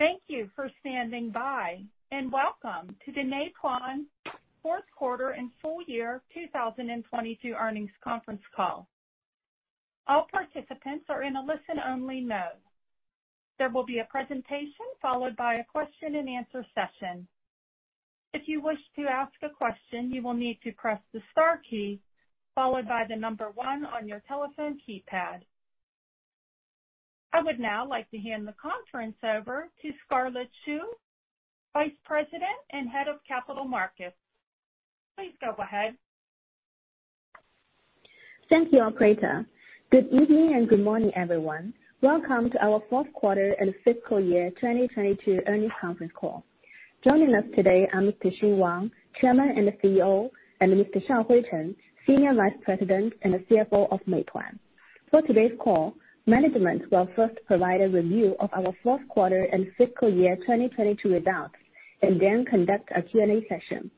Thank you for standing by. Welcome to the Meituan fourth quarter and full year 2022 earnings conference call. All participants are in a listen only mode. There will be a presentation followed by a question and answer session. If you wish to ask a question, you will need to press the star key followed by one on your telephone keypad. I would now like to hand the conference over to Scarlett Xu, Vice President and Head of Capital Markets. Please go ahead. Thank you, operator. Good evening and good morning, everyone. Welcome to our fourth quarter and fiscal year 2022 earnings conference call. Joining us today are Mr. Xing Wang, Chairman and CEO, and Mr. Shaohui Chen, Senior Vice President and CFO of Meituan. For today's call, management will first provide a review of our fourth quarter and fiscal year 2022 results and then conduct a Q&A session.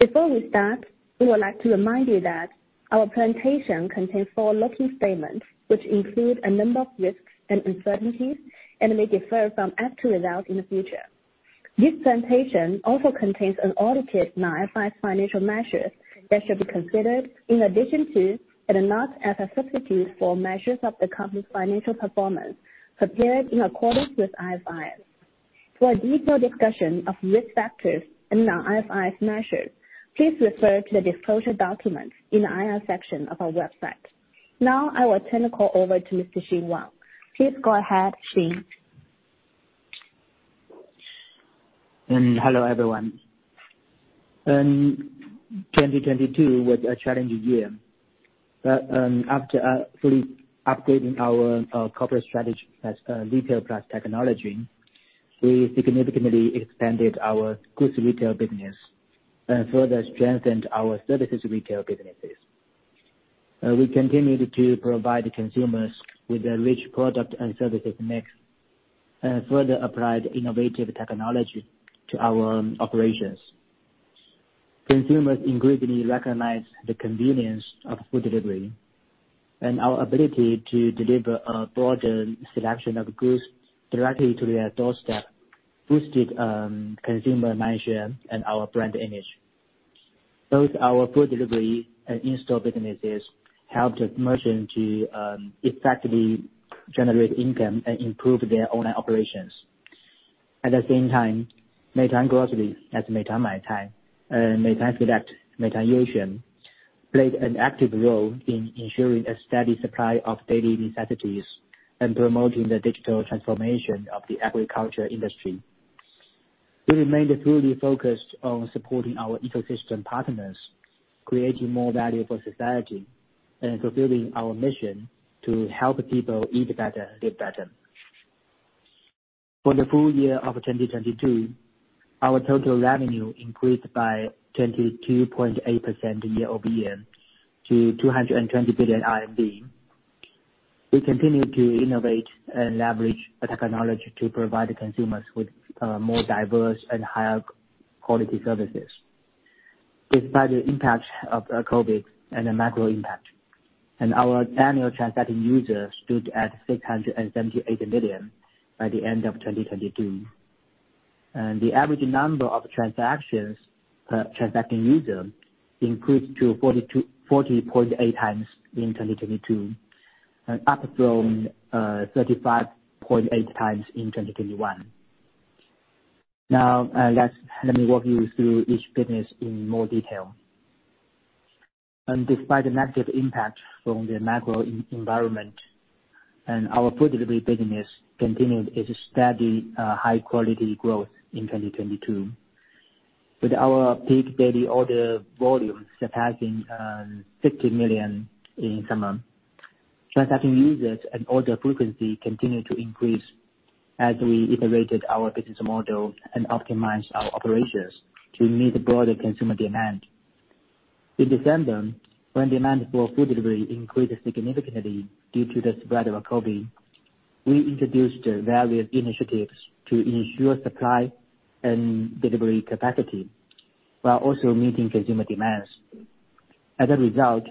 Before we start, we would like to remind you that our presentation contains forward-looking statements, which include a number of risks and uncertainties and may differ from actual results in the future. This presentation also contains an audited non-IFRS financial measures that should be considered in addition to and are not as a substitute for measures of the company's financial performance prepared in accordance with IFRS. For a detailed discussion of risk factors and non-IFRS measures, please refer to the disclosure documents in the IR section of our website. I will turn the call over to Mr. Xing Wang. Please go ahead, Xing. Hello, everyone. 2022 was a challenging year. After fully updating our corporate strategy as retail plus technology, we significantly expanded our goods retail business and further strengthened our services retail businesses. We continued to provide consumers with a rich product and services mix and further applied innovative technology to our operations. Consumers increasingly recognize the convenience of food delivery and our ability to deliver a broader selection of goods directly to their doorstep boosted consumer mindshare and our brand image. Both our food delivery and in-store businesses helped merchants to effectively generate income and improve their online operations. At the same time, Meituan Grocery as Meituan Maicai, Meituan Select, Meituan Youxuan played an active role in ensuring a steady supply of daily necessities and promoting the digital transformation of the agriculture industry. focused on supporting our ecosystem partners, creating more value for society, and fulfilling our mission to help people eat better, live better. For the full year of 2022, our total revenue increased by 22.8% year-over-year to 220 billion RMB. We continued to innovate and leverage technology to provide consumers with more diverse and higher quality services. Despite the impact of COVID-19 and the macro impact, our annual transacting users stood at 678 million by the end of 2022. The average number of transactions per transacting user increased to 40.8x in 2022, up from 35.8x in 2021. Now, let me walk you through each business in more detail Despite the negative impact from the macro environment, our food delivery business continued its steady, high quality growth in 2022, with our peak daily order volume surpassing 50 million in summer. Transacting users and order frequency continued to increase as we iterated our business model and optimized our operations to meet broader consumer demand. In December, when demand for food delivery increased significantly due to the spread of COVID, we introduced various initiatives to ensure supply and delivery capacity while also meeting consumer demands. As a result,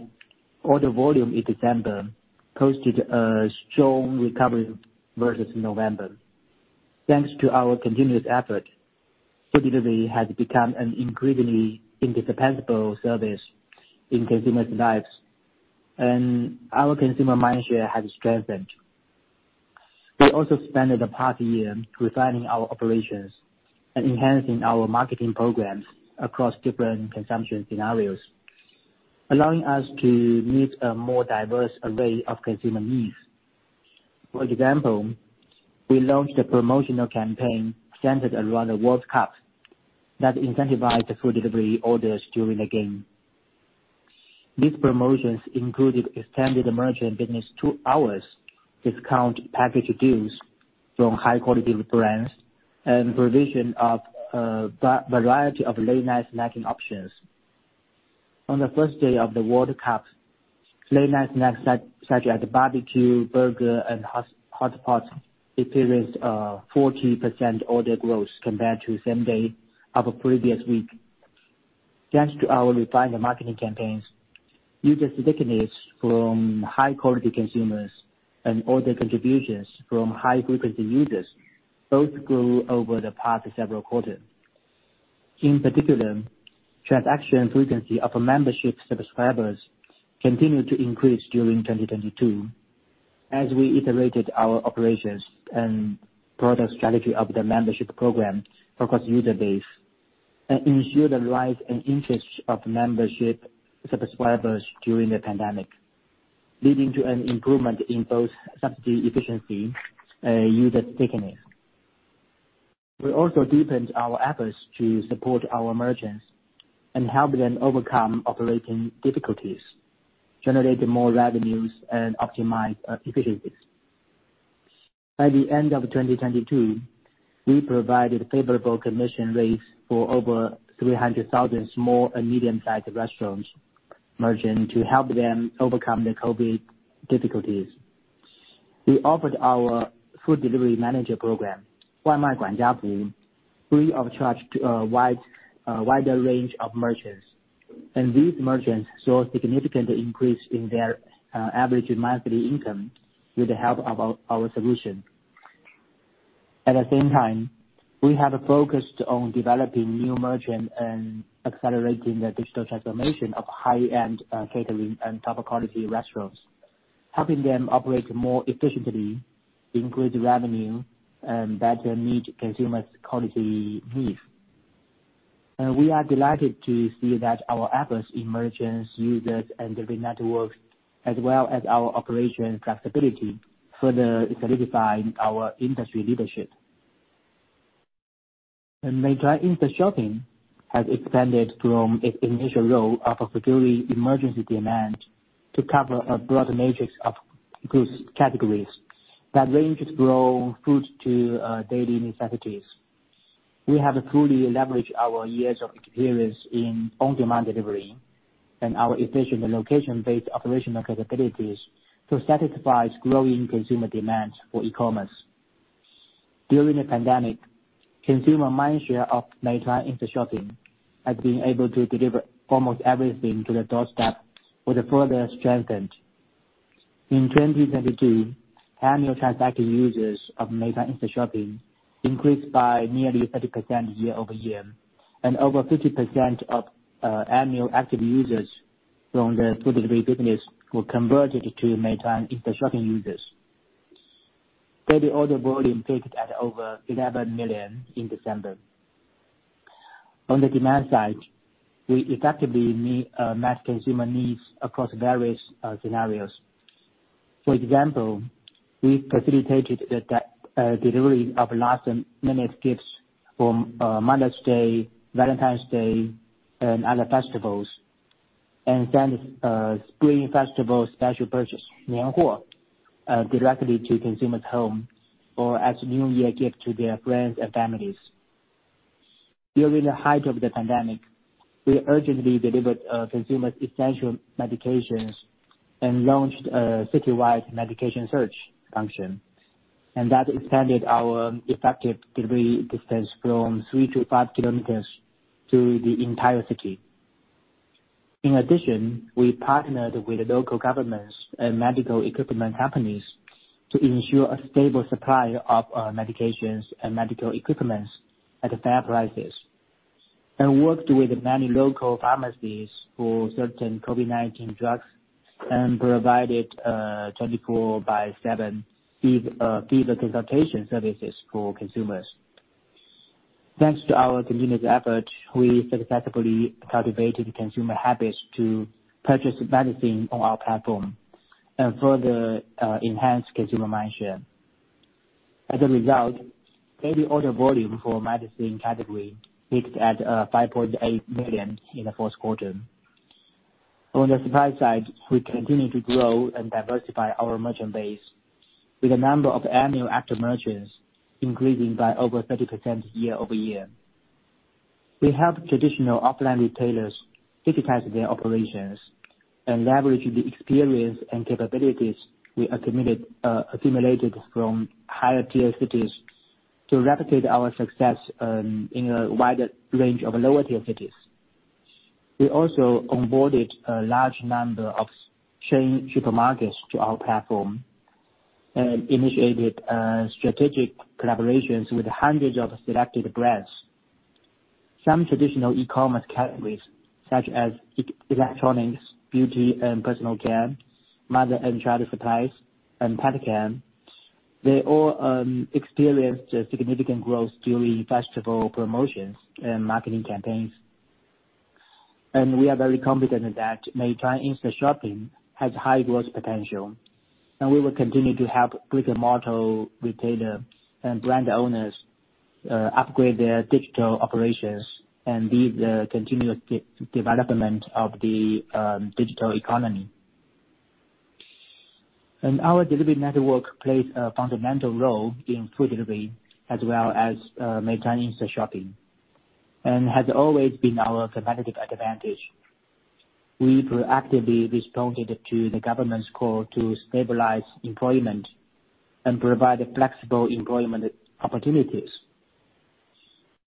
order volume in December posted a strong recovery versus November. Thanks to our continuous effort, food delivery has become an increasingly indispensable service in consumers' lives, and our consumer mindshare has strengthened. We also spent the past year refining our operations and enhancing our marketing programs across different consumption scenarios, allowing us to meet a more diverse array of consumer needs. For example, we launched a promotional campaign centered around the World Cup that incentivized the food delivery orders during the game. These promotions included extended merchant business 2 hours discount package deals from high quality brands and provision of a variety of late night snacking options. On the first day of the World Cup, late night snacks such as barbecue, burger and hot pots experienced 40% order growth compared to same day of previous week. Thanks to our refined marketing campaigns, user stickiness from high quality consumers and order contributions from high frequency users both grew over the past several quarters. In particular, transaction frequency of membership subscribers continued to increase during 2022 as we iterated our operations and product strategy of the membership program across user base, ensured the rights and interests of membership subscribers during the pandemic, leading to an improvement in both subsidy efficiency and user stickiness. We also deepened our efforts to support our merchants and help them overcome operating difficulties, generate more revenues, and optimize efficiencies. By the end of 2022, we provided favorable commission rates for over 300,000 small and medium-sized restaurants margin to help them overcome the COVID difficulties. We offered our food delivery manager program, free of charge to a wider range of merchants. These merchants saw a significant increase in their average monthly income with the help of our solution. At the same time, we have focused on developing new merchant and accelerating the digital transformation of high-end catering and top quality restaurants, helping them operate more efficiently, increase revenue, and better meet consumers' quality needs. We are delighted to see that our efforts in merchants, users, and delivery networks, as well as our operation flexibility, further solidified our industry leadership. Meituan Instashopping has expanded from its initial role of fulfilling emergency demand to cover a broad matrix of goods categories that ranges from food to daily necessities. We have truly leveraged our years of experience in on-demand delivery and our efficient and location-based operational capabilities to satisfy growing consumer demand for e-commerce. During the pandemic, consumer mindshare of Meituan Instashopping has been able to deliver almost everything to the doorstep was further strengthened. In 2022, annual transactive users of Meituan Instashopping increased by nearly 30% year-over-year, and over 50% of annual active users from the food delivery business were converted to Meituan Instashopping users. Daily order volume peaked at over 11 million in December. On the demand side, we effectively met consumer needs across various scenarios. For example, we facilitated the delivery of last-minute gifts from Mother's Day, Valentine's Day, and other festivals. Spring Festival special purchase directly to consumers' home or as New Year gift to their friends and families. During the height of the pandemic, we urgently delivered consumers essential medications and launched a citywide medication search function, and that extended our effective delivery distance from 3 km-5 km to the entire city. In addition, we partnered with local governments and medical equipment companies to ensure a stable supply of medications and medical equipment at fair prices, and worked with many local pharmacies for certain COVID-19 drugs and provided a 24/7 fee consultation services for consumers. Thanks to our continuous effort, we successfully cultivated consumer habits to purchase medicine on our platform and further enhance consumer mindshare. As a result, daily order volume for medicine category peaked at 5.8 million in the fourth quarter. On the supply side, we continue to grow and diversify our merchant base with the number of annual active merchants increasing by over 30% year-over-year. We help traditional offline retailers digitize their operations and leverage the experience and capabilities we accumulated from higher tier cities to replicate our success in a wider range of lower tier cities. We also onboarded a large number of chain supermarkets to our platform and initiated strategic collaborations with hundreds of selected brands. Some traditional electronics categories such as electronics, beauty and personal care, mother and child supplies, and pet care, they all experienced a significant growth during festival promotions and marketing campaigns. We are very confident that Meituan Instashopping has high growth potential, and we will continue to help brick-and-mortar retailer and brand owners upgrade their digital operations and lead the continuous development of the digital economy. Our delivery network plays a fundamental role in food delivery as well as Meituan Instashopping, and has always been our competitive advantage. We proactively responded to the government's call to stabilize employment and provide flexible employment opportunities.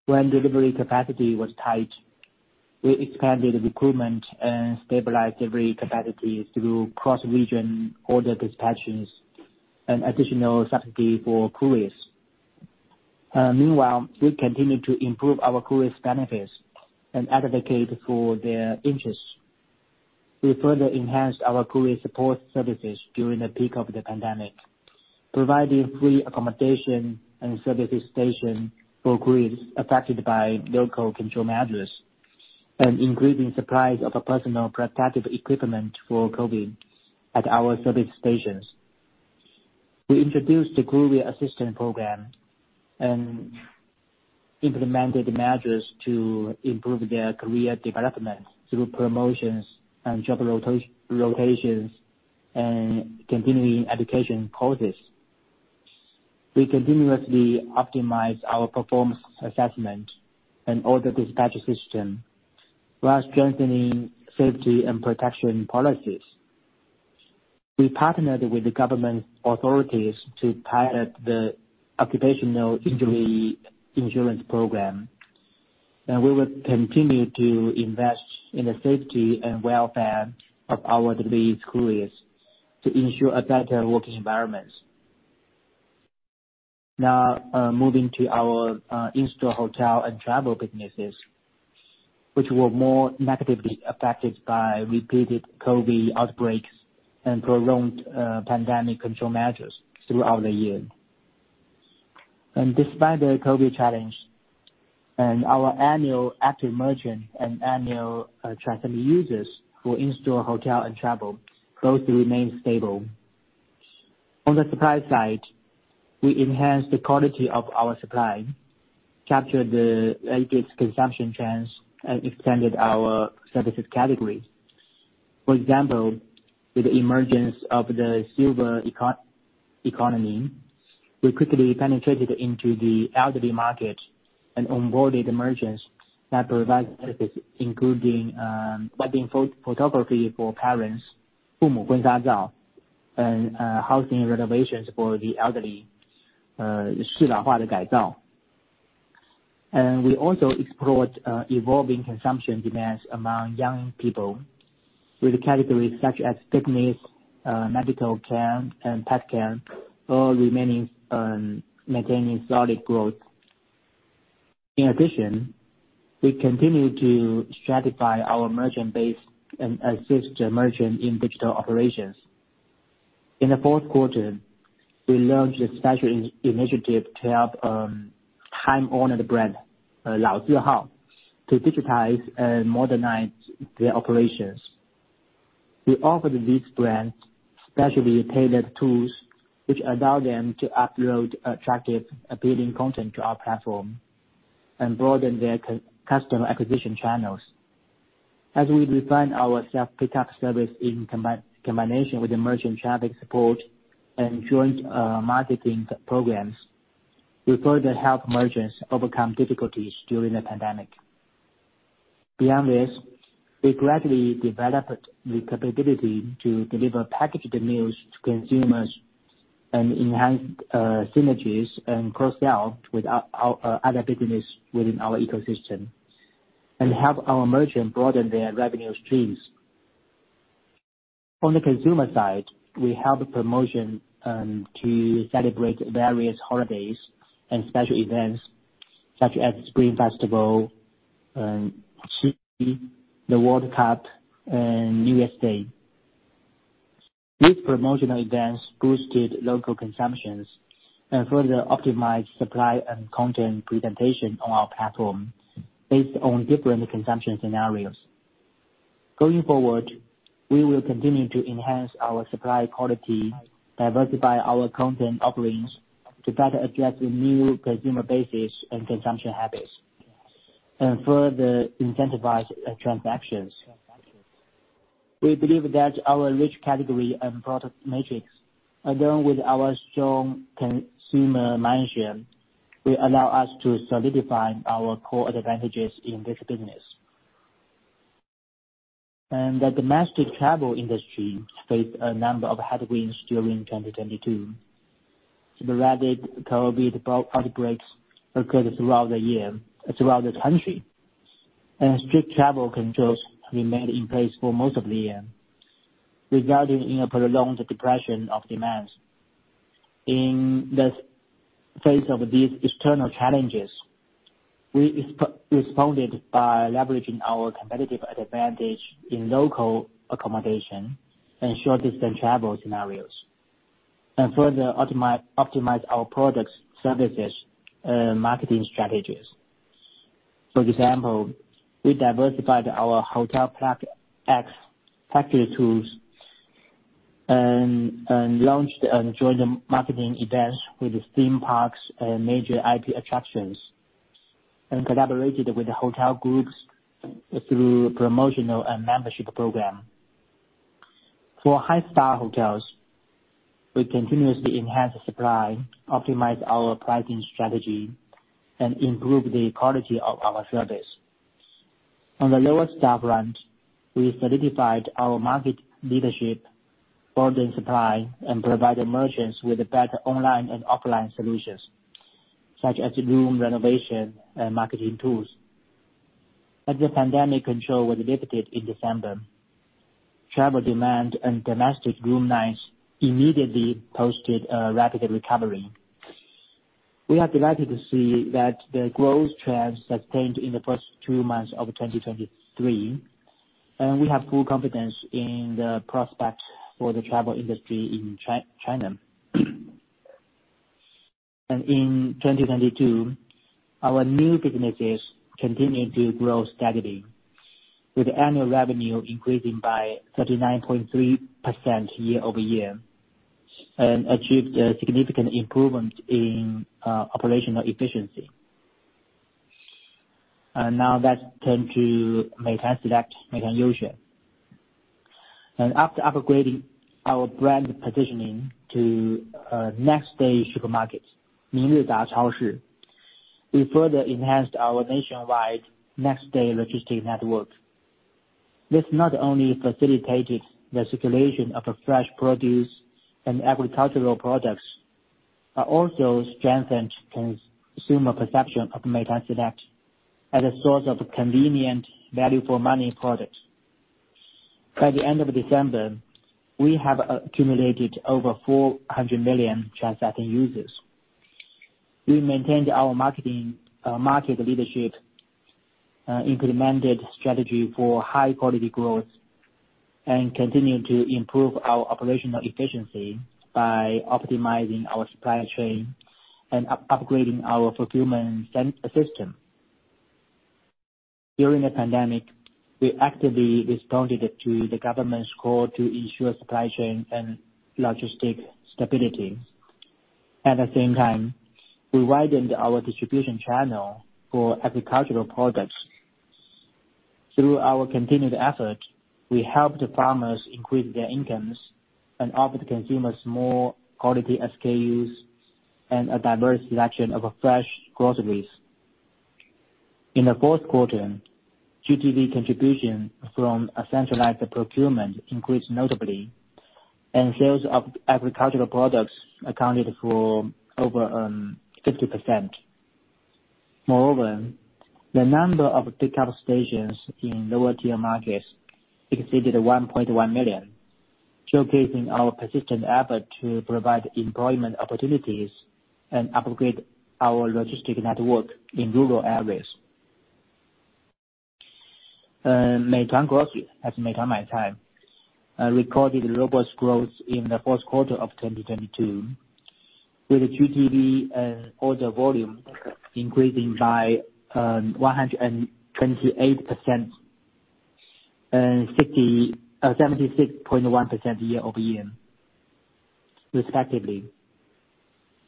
When delivery capacity was tight, we expanded recruitment and stabilized delivery capacity through cross-region order dispatches and additional subsidy for couriers. Meanwhile, we continued to improve our couriers' benefits and advocate for their interests. We further enhanced our courier support services during the peak of the pandemic, providing free accommodation and service station for couriers affected by local control measures and increasing supply of personal protective equipment for COVID-19 at our service stations. We introduced the Courier Assistant Program and implemented measures to improve their career development through promotions and job rotations and continuing education courses. We continuously optimize our performance assessment and order dispatch system while strengthening safety and protection policies. We partnered with the government authorities to pilot the occupational injury insurance program. We will continue to invest in the safety and welfare of our delivery couriers to ensure a better working environment. Now, moving to our in-store hotel and travel businesses, which were more negatively affected by repeated COVID outbreaks and prolonged pandemic control measures throughout the year. Despite the COVID challenge and our annual active merchant and annual traffic users for in-store hotel and travel, growth remains stable. On the supply side, we enhanced the quality of our supply, captured the latest consumption trends, and extended our services category. For example, with the emergence of the silver economy, we quickly penetrated into the elderly market and onboarded merchants that provide services including wedding photography for parents, and housing renovations for the elderly. We also explored evolving consumption demands among young people with categories such as fitness, medical care and pet care all remaining maintaining solid growth. In addition, we continue to stratify our merchant base and assist the merchant in digital operations. In the fourth quarter, we launched a special initiative to help time-honored brand Lao Zi Hao to digitize and modernize their operations. We offered these brands specially tailored tools which allow them to upload attractive appealing content to our platform and broaden their customer acquisition channels. As we refine our self-pickup service in combination with merchant traffic support and joint marketing programs, we further help merchants overcome difficulties during the pandemic. Beyond this, we gradually developed the capability to deliver packaged meals to consumers and enhance synergies and cross-sell with our other business within our ecosystem and help our merchant broaden their revenue streams. On the consumer side, we have a promotion to celebrate various holidays and special events such as Spring Festival, Qixi, the World Cup, and New Year's Day. These promotional events boosted local consumptions and further optimized supply and content presentation on our platform based on different consumption scenarios. Going forward, we will continue to enhance our supply quality, diversify our content offerings to better address the new consumer bases and consumption habits, and further incentivize transactions. We believe that our rich category and product matrix, along with our strong consumer mindshare, will allow us to solidify our core advantages in this business. The domestic travel industry faced a number of headwinds during 2022. Sporadic COVID outbreaks occurred throughout the country, and strict travel controls remained in place for most of the year, resulting in a prolonged depression of demands. In the face of these external challenges, we responded by leveraging our competitive advantage in local accommodation and short-distance travel scenarios and further optimize our products, services, and marketing strategies. For example, we diversified our Hotel + X package tools and launched and joined marketing events with theme parks and major IP attractions, and collaborated with hotel groups through promotional and membership programs. For high star hotels, we continuously enhance supply, optimize our pricing strategy, and improve the quality of our service. On the lower star front, we solidified our market leadership, broadened supply, and provided merchants with better online and offline solutions, such as room renovation and marketing tools. As the pandemic control was lifted in December, travel demand and domestic room nights immediately posted a rapid recovery. We are delighted to see that the growth trends sustained in the first two months of 2023, and we have full confidence in the prospects for the travel industry in China. In 2022, our new businesses continued to grow steadily, with annual revenue increasing by 39.3% year-over-year, and achieved a significant improvement in operational efficiency. Now, let's turn to Meituan Select, Meituan Youxuan. After upgrading our brand positioning to next day supermarkets, we further enhanced our nationwide next day logistic network. This not only facilitated the circulation of fresh produce and agricultural products, but also strengthened consumer perception of Meituan Select as a source of convenient value for money products. By the end of December, we have accumulated over 400 million transacting users. We maintained our market leadership, implemented strategy for high quality growth, and continued to improve our operational efficiency by optimizing our supply chain and upgrading our fulfillment system. During the pandemic, we actively responded to the government's call to ensure supply chain and logistic stability. At the same time, we widened our distribution channel for agricultural products. Through our continued effort, we helped farmers increase their incomes and offered consumers more quality SKUs and a diverse selection of fresh groceries. In the fourth quarter, GTV contribution from a centralized procurement increased notably, and sales of agricultural products accounted for over 50%. Moreover, the number of pickup stations in lower tier markets exceeded 1.1 million, showcasing our persistent effort to provide employment opportunities and upgrade our logistic network in rural areas. Meituan Grocery at Meituan Maicai recorded robust growth in the fourth quarter of 2022, with GTV, order volume increasing by 128% and 76.1% year-over-year, respectively,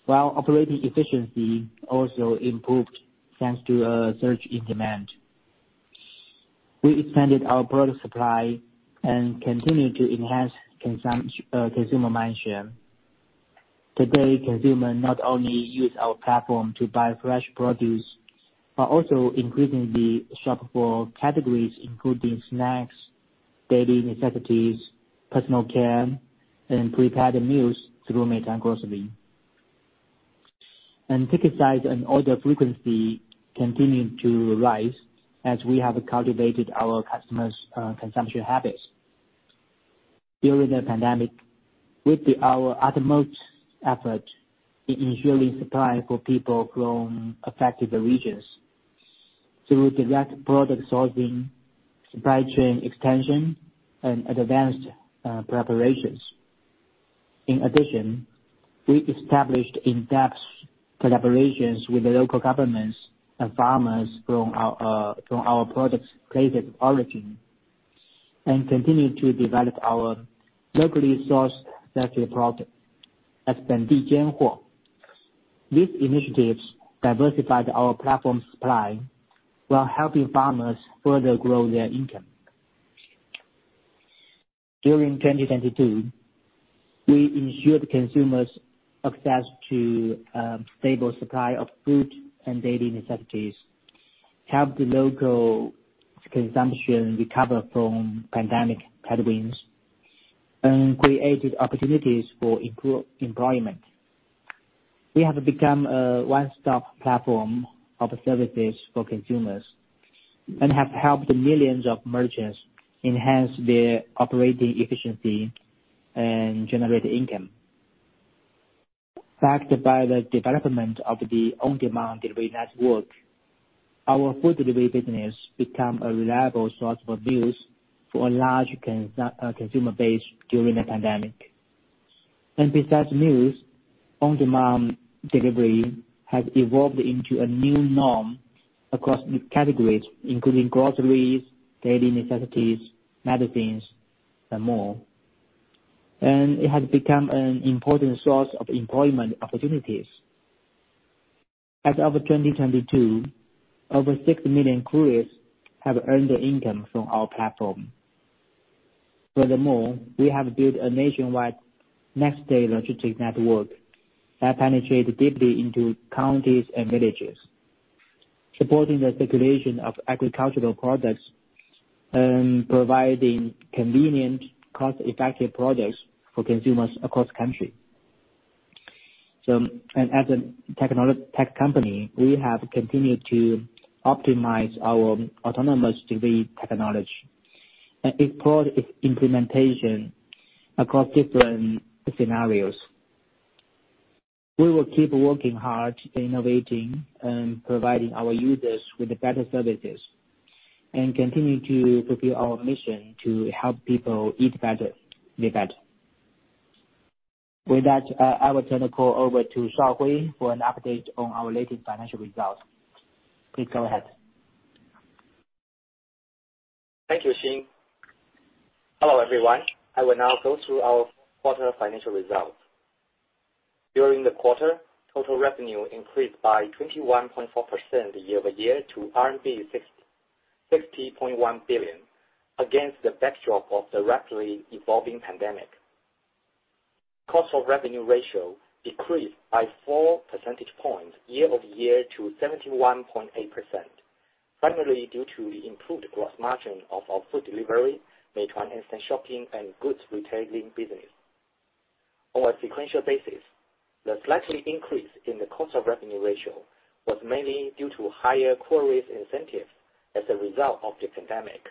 while operating efficiency also improved, thanks to a surge in demand. We expanded our product supply and continued to enhance consumer mindshare. Today, consumers not only use our platform to buy fresh produce, but also increasingly shop for categories including snacks, daily necessities, personal care, and prepared meals through Meituan Grocery. Ticket size and order frequency continued to rise as we have cultivated our customers' consumption habits. During the pandemic, we did our utmost effort in ensuring supply for people from affected regions through direct product sourcing, supply chain extension, and advanced preparations. In addition, we established in-depth collaborations with the local governments and farmers from our products' places of origin, and continued to develop our locally so urced fresh product as. These initiatives diversified our platform supply while helping farmers further grow their income. During 2022, we ensured consumers access to stable supply of food and daily necessities, helped the local consumption recover from pandemic headwinds, and created opportunities for employment. We have become a one-stop platform of services for consumers and have helped millions of merchants enhance their operating efficiency and generate income. Backed by the development of the on-demand delivery network, our food delivery business become a reliable source for meals for a large consumer base during the pandemic. Besides meals, on-demand delivery has evolved into a new norm across new categories, including groceries, daily necessities, medicines, and more. It has become an important source of employment opportunities. As of 2022, over 6 million couriers have earned their income from our platform. Furthermore, we have built a nationwide next-day logistics network that penetrates deeply into counties and villages, supporting the circulation of agricultural products and providing convenient, cost-effective products for consumers across country. As a tech company, we have continued to optimize our autonomous delivery technology and explore its implementation across different scenarios. We will keep working hard, innovating and providing our users with better services, and continue to fulfill our mission to help people eat better, live better. With that, I will turn the call over to Shaohui for an update on our latest financial results. Please go ahead. Thank you, Xing. Hello, everyone. I will now go through our quarter financial results. During the quarter, total revenue increased by 21.4% year-over-year to RMB 60.1 billion against the backdrop of the rapidly evolving pandemic. Cost of revenue ratio decreased by 4 percentage points year-over-year to 71.8%, primarily due to the improved gross margin of our food delivery, Meituan Instashopping, and Goods retailing business. On a sequential basis, the slightly increase in the cost of revenue ratio was mainly due to higher couriers incentive as a result of the pandemic,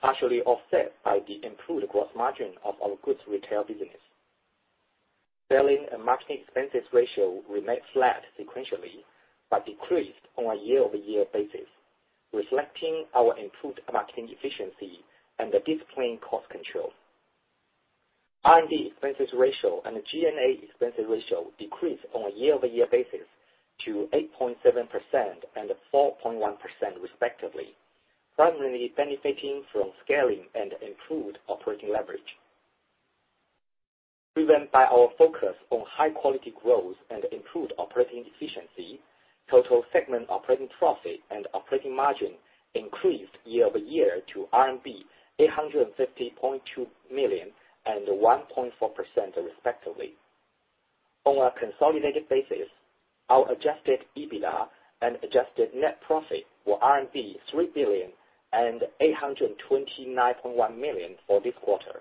partially offset by the improved gross margin of our goods retail business. Selling and marketing expenses ratio remained flat sequentially, decreased on a year-over-year basis, reflecting our improved marketing efficiency and the disciplined cost control. R&D expenses ratio and G&A expenses ratio decreased on a year-over-year basis to 8.7% and 4.1% respectively, primarily benefiting from scaling and improved operating leverage. Driven by our focus on high-quality growth and improved operating efficiency, total segment operating profit and operating margin increased year-over-year to RMB 850.2 million and 1.4% respectively. On a consolidated basis, our Adjusted EBITDA and adjusted net profit were RMB 3 billion and 829.1 million for this quarter,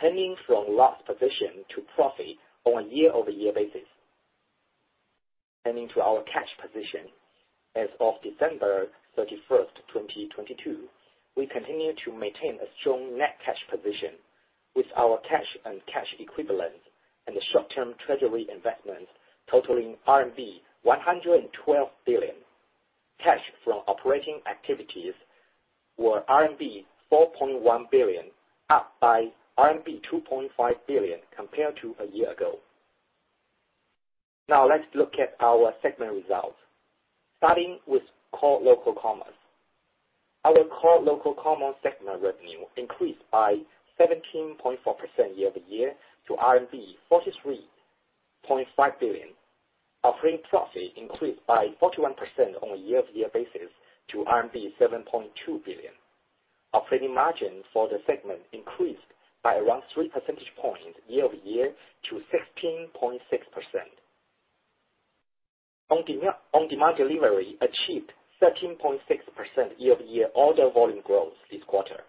turning from loss position to profit on a year-over-year basis. Turning to our cash position, as of December 31, 2022, we continue to maintain a strong net cash position with our cash and cash equivalents and short-term treasury investments totaling RMB 112 billion. Cash from operating activities were RMB 4.1 billion, up by RMB 2.5 billion compared to a year ago. Now let's look at our segment results, starting with Core Local Commerce. Our Core Local Commerce segment revenue increased by 17.4% year-over-year to RMB 43.5 billion. Operating profit increased by 41% on a year-over-year basis to RMB 7.2 billion. Operating margin for the segment increased by around 3 percentage points year-over-year to 16.6%. On-demand delivery achieved 13.6% year-over-year order volume growth this quarter.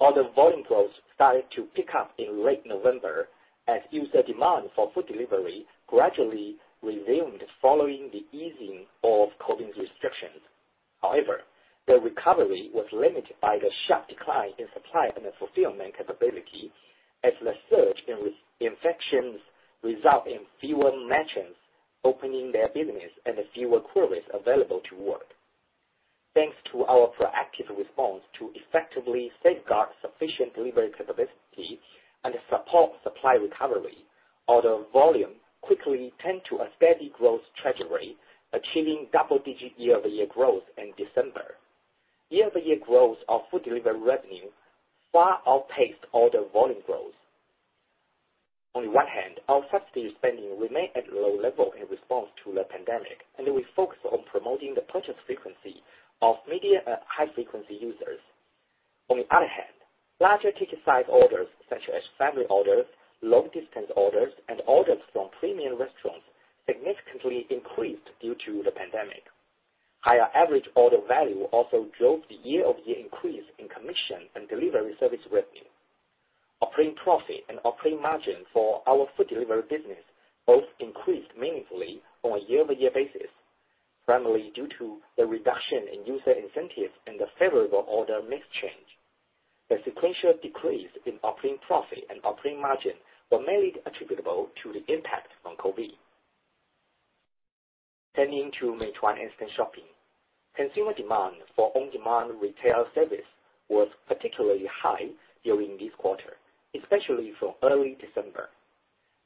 Also delivery, order volume growth started to pick up in late November as user demand for food delivery gradually resumed following the easing of COVID restrictions. However, the recovery was limited by the sharp decline in supply and the fulfillment capability as the surge in re-infections result in fewer merchants opening their business and fewer couriers available to work. Thanks to our proactive response to effectively safeguard sufficient delivery capability and support supply recovery, order volume quickly turned to a steady growth trajectory, achieving double-digit year-over-year growth in December. Year-over-year growth of food delivery revenue far outpaced order volume growth. On the one hand, our subsidy spending remained at low level in response to the pandemic, and we focused on promoting the purchase frequency of medium, high-frequency users. On the other hand, larger ticket size orders, such as family orders, long-distance orders, and orders from premium restaurants significantly increased due to the pandemic. Higher average order value also drove the year-over-year increase in commission and delivery service revenue. Operating profit and operating margin for our food delivery business both increased meaningfully on a year-over-year basis, primarily due to the reduction in user incentives and the favorable order mix change. The sequential decrease in operating profit and operating margin were mainly attributable to the impact from COVID. Turning to Meituan Instashopping. Consumer demand for on-demand retail service was particularly high during this quarter, especially from early December.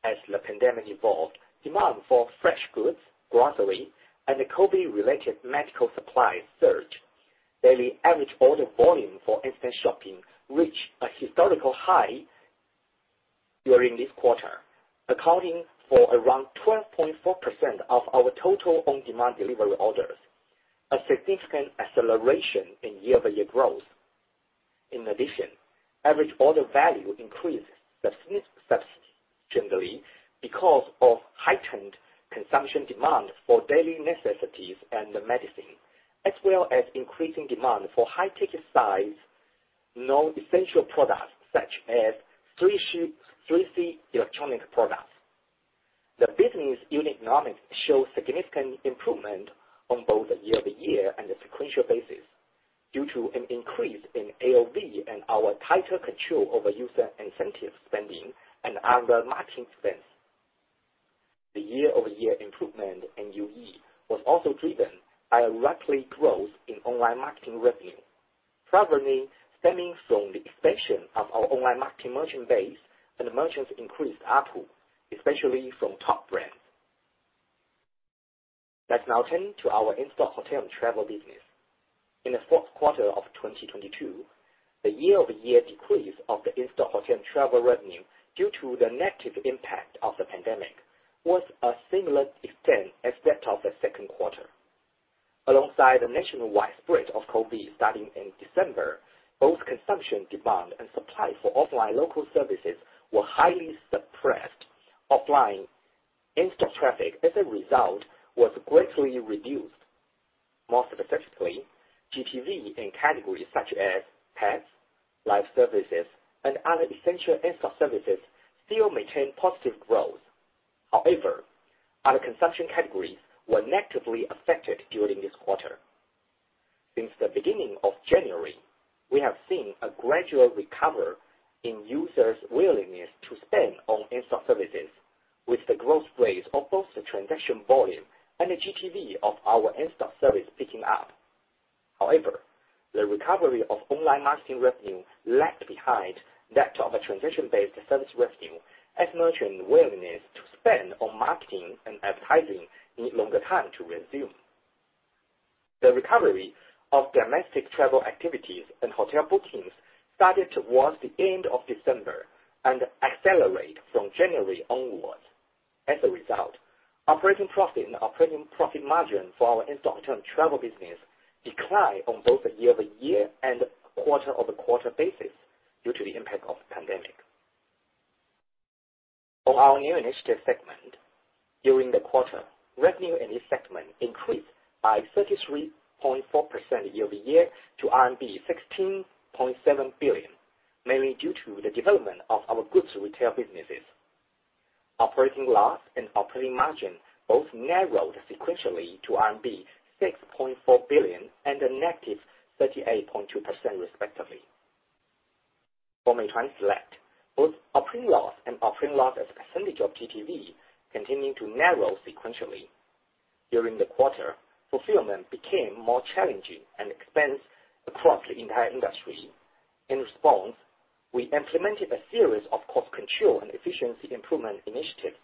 As the pandemic evolved, demand for fresh goods, grocery and the COVID-related medical supplies surged. Daily average order volume for Instant Shopping reached a historical high during this quarter, accounting for around 12.4% of our total on-demand delivery orders, a significant acceleration in year-over-year growth. In addition, average order value increased substantially because of heightened consumption demand for daily necessities and medicine, as well as increasing demand for high ticket size, non-essential products such as 3C electronic products. The business unit economics shows significant improvement on both a year-over-year and a sequential basis due to an increase in AOV and our tighter control over user incentive spending and other marketing spends. The year-over-year improvement in UE was also driven by a rapidly growth in online marketing revenue, primarily stemming from the expansion of our online marketing merchant base and merchants increased ARPU, especially from top brands. Let's now turn to our instant hotel and travel business. In the fourth quarter of 2022, the year-over-year decrease of the instant hotel and travel revenue due to the negative impact of the pandemic, was a similar extent as that of the second quarter. Alongside the nationwide spread of COVID starting in December, both consumption, demand, and supply for offline local services were highly suppressed. Offline instant traffic as a result, was greatly reduced. More specifically, GTV in categories such as pets, life services, and other essential instant services still maintain positive growth. Other consumption categories were negatively affected during this quarter. Since the beginning of January, we have seen a gradual recovery in users' willingness to spend on instant services with the growth rates of both the transaction volume and the GTV of our instant service picking up. The recovery of online marketing revenue lagged behind that of a transaction-based service revenue as merchant willingness to spend on marketing and advertising need longer time to resume. The recovery of domestic travel activities and hotel bookings started towards the end of December and accelerate from January onwards. As a result, operating profit and operating profit margin for our instant hotel and travel business declined on both a year-over-year and quarter-over-quarter basis due to the impact of the pandemic. On our new initiative segment, during the quarter, revenue in this segment increased by 33.4% year-over-year to RMB 16.7 billion, mainly due to the development of our goods retail businesses. Operating loss and operating margin both narrowed sequentially to RMB 6.4 billion and a -38.2% respectively. For Meituan Select, both operating loss and operating loss as a percentage of GTV continued to narrow sequentially. During the quarter, fulfillment became more challenging and expensive across the entire industry. In response, we implemented a series of cost control and efficiency improvement initiatives.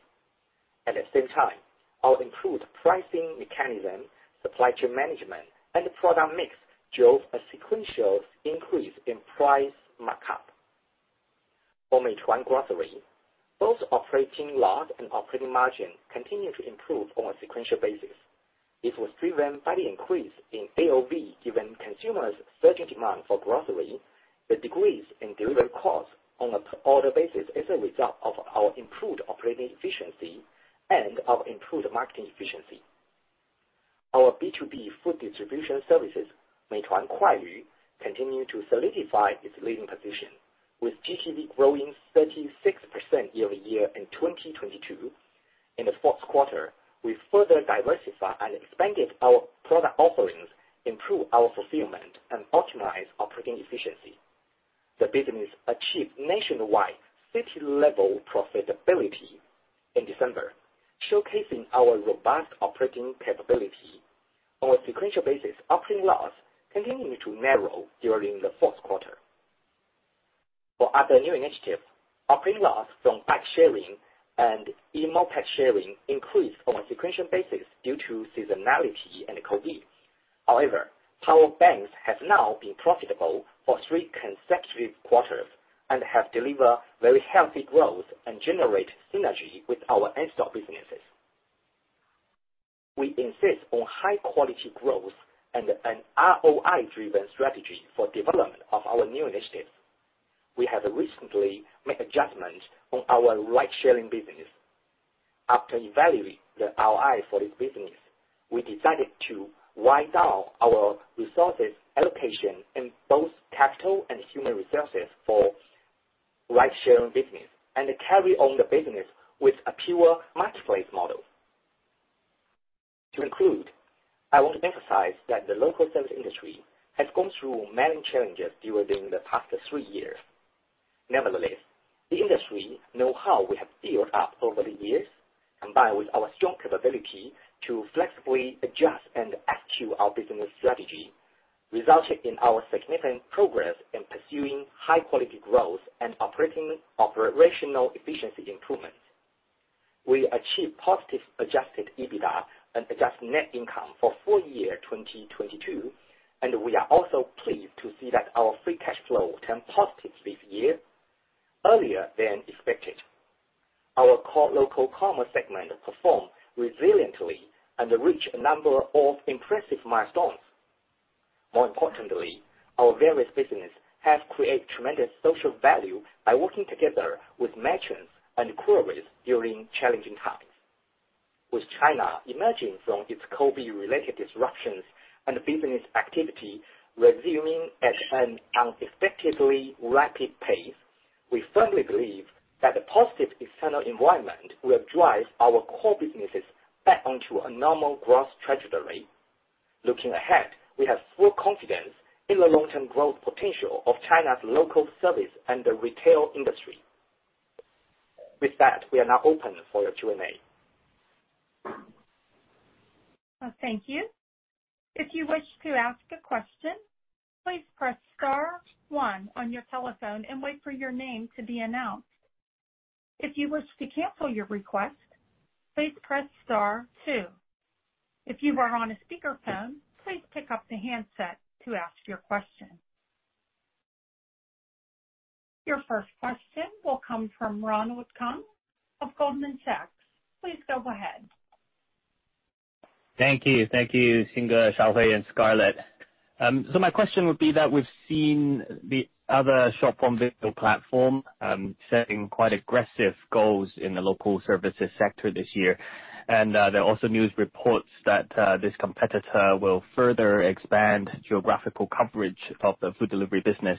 At the same time, our improved pricing mechanism, supply chain management, and product mix drove a sequential increase in price markup. For Meituan Grocery, both operating loss and operating margin continued to improve on a sequential basis. This was driven by the increase in AOV, given consumers' searching demand for grocery, the decrease in delivery costs on a per order basis as a result of our improved operating efficiency and our improved marketing efficiency. Our B2B food distribution services, Meituan Kuailv, continued to solidify its leading position, with GTV growing 36% year-over-year in 2022. In the fourth quarter, we further diversify and expanded our product offerings, improved our fulfillment, and optimize operating efficiency. The business achieved nationwide city-level profitability in December, showcasing our robust operating capability. On a sequential basis, operating loss continued to narrow during the fourth quarter. For other new initiatives, operating loss from bike sharing and e-moped sharing increased on a sequential basis due to seasonality and COVID. However, power banks have now been profitable for three consecutive quarters and have delivered very healthy growth and generate synergy with our instant businesses. We insist on high quality growth and an ROI-driven strategy for development of our new initiatives. We have recently made adjustments on our ride-sharing business. After evaluating the ROI for this business, we decided to wind down our resources allocation in both capital and human resources for ride-sharing business, and carry on the business with a pure marketplace model. To conclude, I want to emphasize that the local service industry has gone through many challenges during the past three years. Nevertheless, the industry know-how we have built up over the years, combined with our strong capability to flexibly adjust and execute our business strategy, resulted in our significant progress in pursuing high quality growth and operational efficiency improvement. We achieved positive Adjusted EBITDA and adjusted net income for full year 2022. We are also pleased to see that our free cash flow turned positive this year earlier than expected. Our Core Local Commerce segment performed resiliently and reached a number of impressive milestones. More importantly, our various business have created tremendous social value by working together with merchants and couriers during challenging times. With China emerging from its COVID-related disruptions and business activity resuming at an unexpectedly rapid pace, we firmly believe that the positive external environment will drive our core businesses back onto a normal growth trajectory. Looking ahead, we have full confidence in the long-term growth potential of China's local service and the retail industry. With that, we are now open for your Q&A. Thank you. If you wish to ask a question, please press star one on your telephone and wait for your name to be announced. If you wish to cancel your request, please press star two. If you are on a speakerphone, please pick up the handset to ask your question. Your first question will come from Ronald Keung of Goldman Sachs. Please go ahead. Thank you. Thank you, Xing, Shaohui, and Scarlett. My question would be that we've seen the other shop on video platform setting quite aggressive goals in the local services sector this year. There are also news reports that this competitor will further expand geographical coverage of the food delivery business.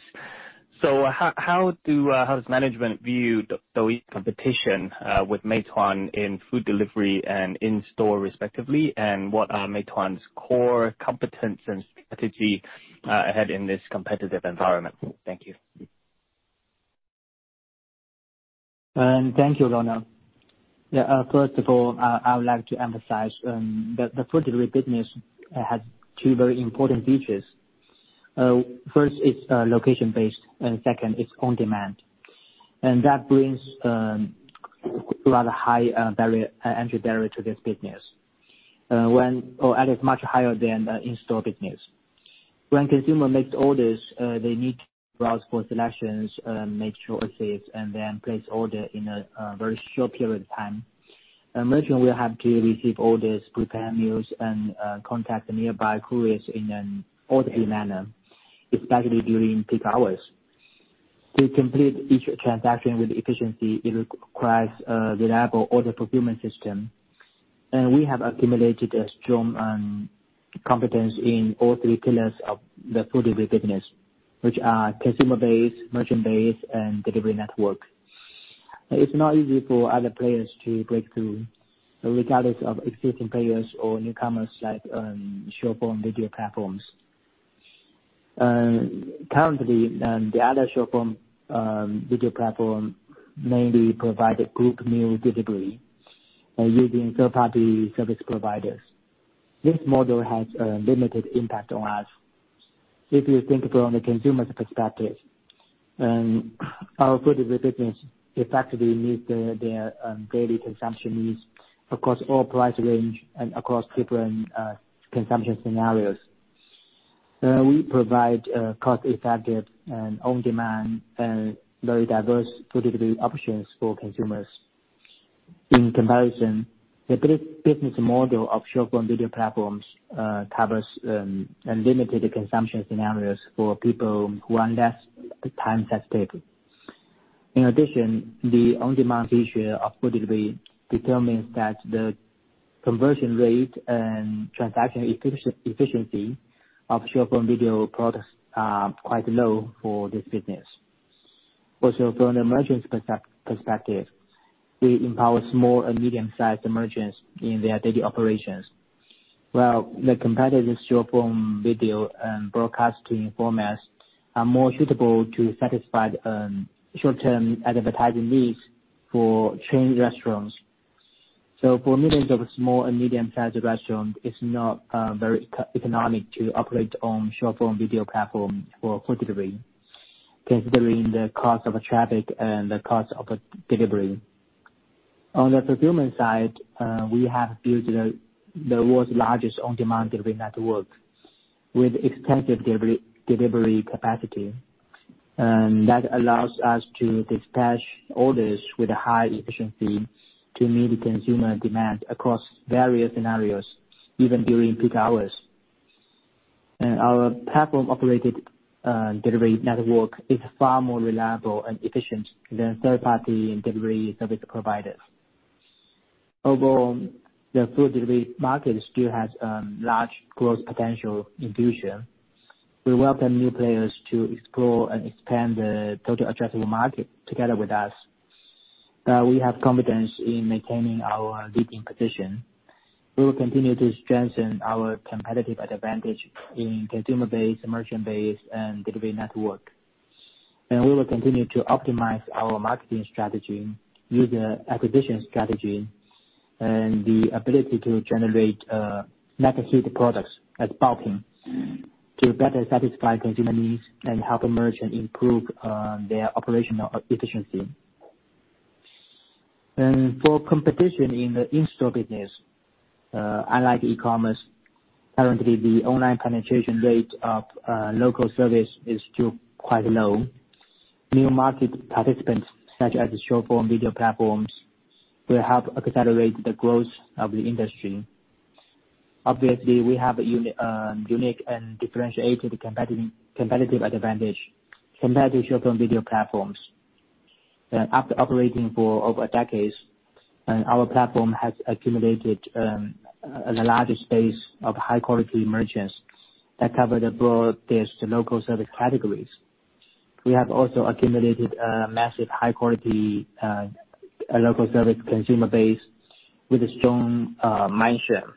How does management view the competition with Meituan in food delivery and in-store respectively? What are Meituan's core competence and strategy ahead in this competitive environment? Thank you. Thank you, Ronald. Yeah, first of all, I would like to emphasize that the food delivery business has two very important features. First, it's location-based, and second, it's on-demand. That brings rather high barrier, entry barrier to this business. Or at least much higher than the in-store business. When consumer makes orders, they need to browse for selections, make choices, and then place order in a very short period of time. A merchant will have to receive orders, prepare meals and contact the nearby couriers in an orderly manner, especially during peak hours. To complete each transaction with efficiency, it requires a reliable order fulfillment system. We have accumulated a strong competence in all three pillars of the food delivery business, which are consumer base, merchant base, and delivery network. It's not easy for other players to break through regardless of existing players or newcomers like short-form video platforms. Currently, the other short-form video platform mainly provide a group meal delivery using third-party service providers. This model has a limited impact on us. If you think from the consumer's perspective, our food delivery business effectively meets their daily consumption needs across all price range and across different consumption scenarios. We provide cost-effective and on-demand very diverse food delivery options for consumers. In comparison, the business model of short-form video platforms covers unlimited consumption scenarios for people who are less time-sensitive. In addition, the on-demand feature of food delivery determines that the conversion rate and transaction efficiency of short-form video products are quite low for this business. From the merchant's perspective, we empower small and medium-sized merchants in their daily operations. The competitors' short-form video and broadcasting formats are more suitable to satisfy the short-term advertising needs for chain restaurants. For millions of small and medium-sized restaurants, it's not very eco-economic to operate on short-form video platform for food delivery, considering the cost of traffic and the cost of delivery. On the fulfillment side, we have built the world's largest on-demand delivery network with expanded delivery capacity, and that allows us to dispatch orders with high efficiency to meet consumer demand across various scenarios, even during peak hours. Our platform-operated delivery network is far more reliable and efficient than third-party delivery service providers. Although the food delivery market still has large growth potential in future, we welcome new players to explore and expand the total addressable market together with us. We have confidence in maintaining our leading position. We will continue to strengthen our competitive advantage in consumer base, merchant base, and delivery network. We will continue to optimize our marketing strategy, user acquisition strategy and the ability to generate meal kit products as bundling to better satisfy consumer needs and help a merchant improve their operational efficiency. For competition in the in-store business, unlike e-commerce, currently the online penetration rate of local service is still quite low. New market participants such as short form video platforms will help accelerate the growth of the industry. Obviously, we have a unique and differentiated competitive advantage compared to short-term video platforms. After operating for over a decade, our platform has accumulated a large space of high-quality merchants that cover the broad-based local service categories. We have also accumulated a massive high-quality local service consumer base with a strong mind share.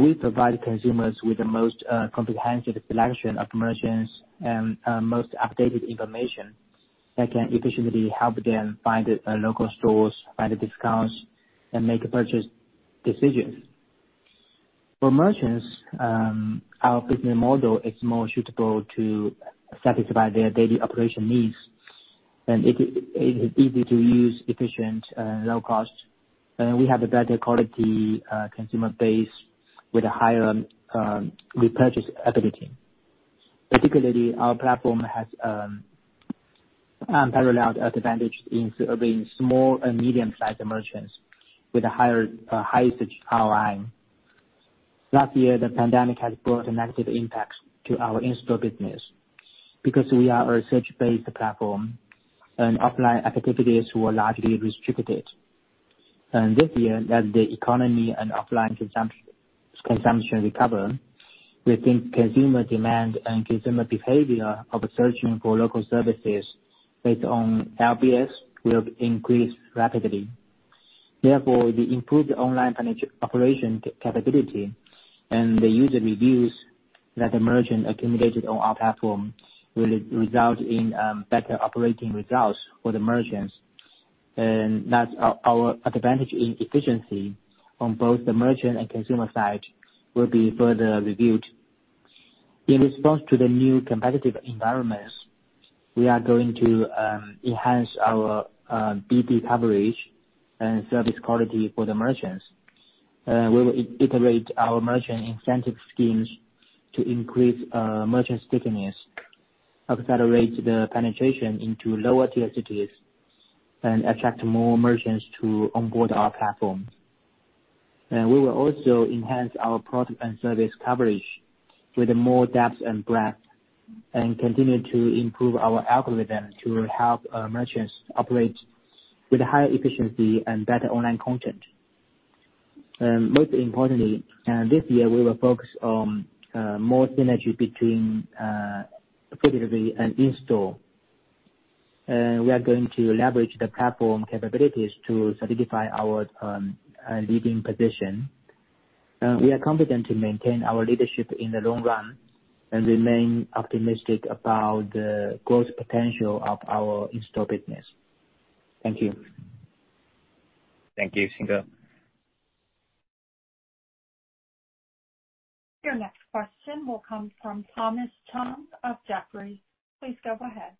We provide consumers with the most comprehensive selection of merchants and most updated information that can efficiently help them find the local stores, find a discount, and make purchase decisions. For merchants, our business model is more suitable to satisfy their daily operation needs, and it is easy to use, efficient and low cost. We have a better quality consumer base with a higher repurchase ability. Particularly, our platform has unparalleled advantage in serving small and medium-sized merchants with a higher high-search volume. Last year, the pandemic has brought a negative impact to our in-store business because we are a search-based platform and offline activities were largely restricted. This year, as the economy and offline consumption recover, we think consumer demand and consumer behavior of searching for local services based on LBS will increase rapidly. Therefore, the improved online operation capability and the user reviews that the merchant accumulated on our platform will result in better operating results for the merchants. That's our advantage in efficiency on both the merchant and consumer side will be further reviewed. In response to the new competitive environments, we are going to enhance our BP coverage and service quality for the merchants. We will iterate our merchant incentive schemes to increase merchant stickiness, accelerate the penetration into lower tier cities and attract more merchants to onboard our platforms. We will also enhance our product and service coverage with more depth and breadth, and continue to improve our algorithm to help our merchants operate with higher efficiency and better online content. Most importantly, this year we will focus on more synergy between particularly and in-store. We are going to leverage the platform capabilities to solidify our leading position. We are confident to maintain our leadership in the long run and remain optimistic about the growth potential of our in-store business. Thank you. Thank you, Xing. Your next question will come from Thomas Chong of Jefferies. Please go ahead.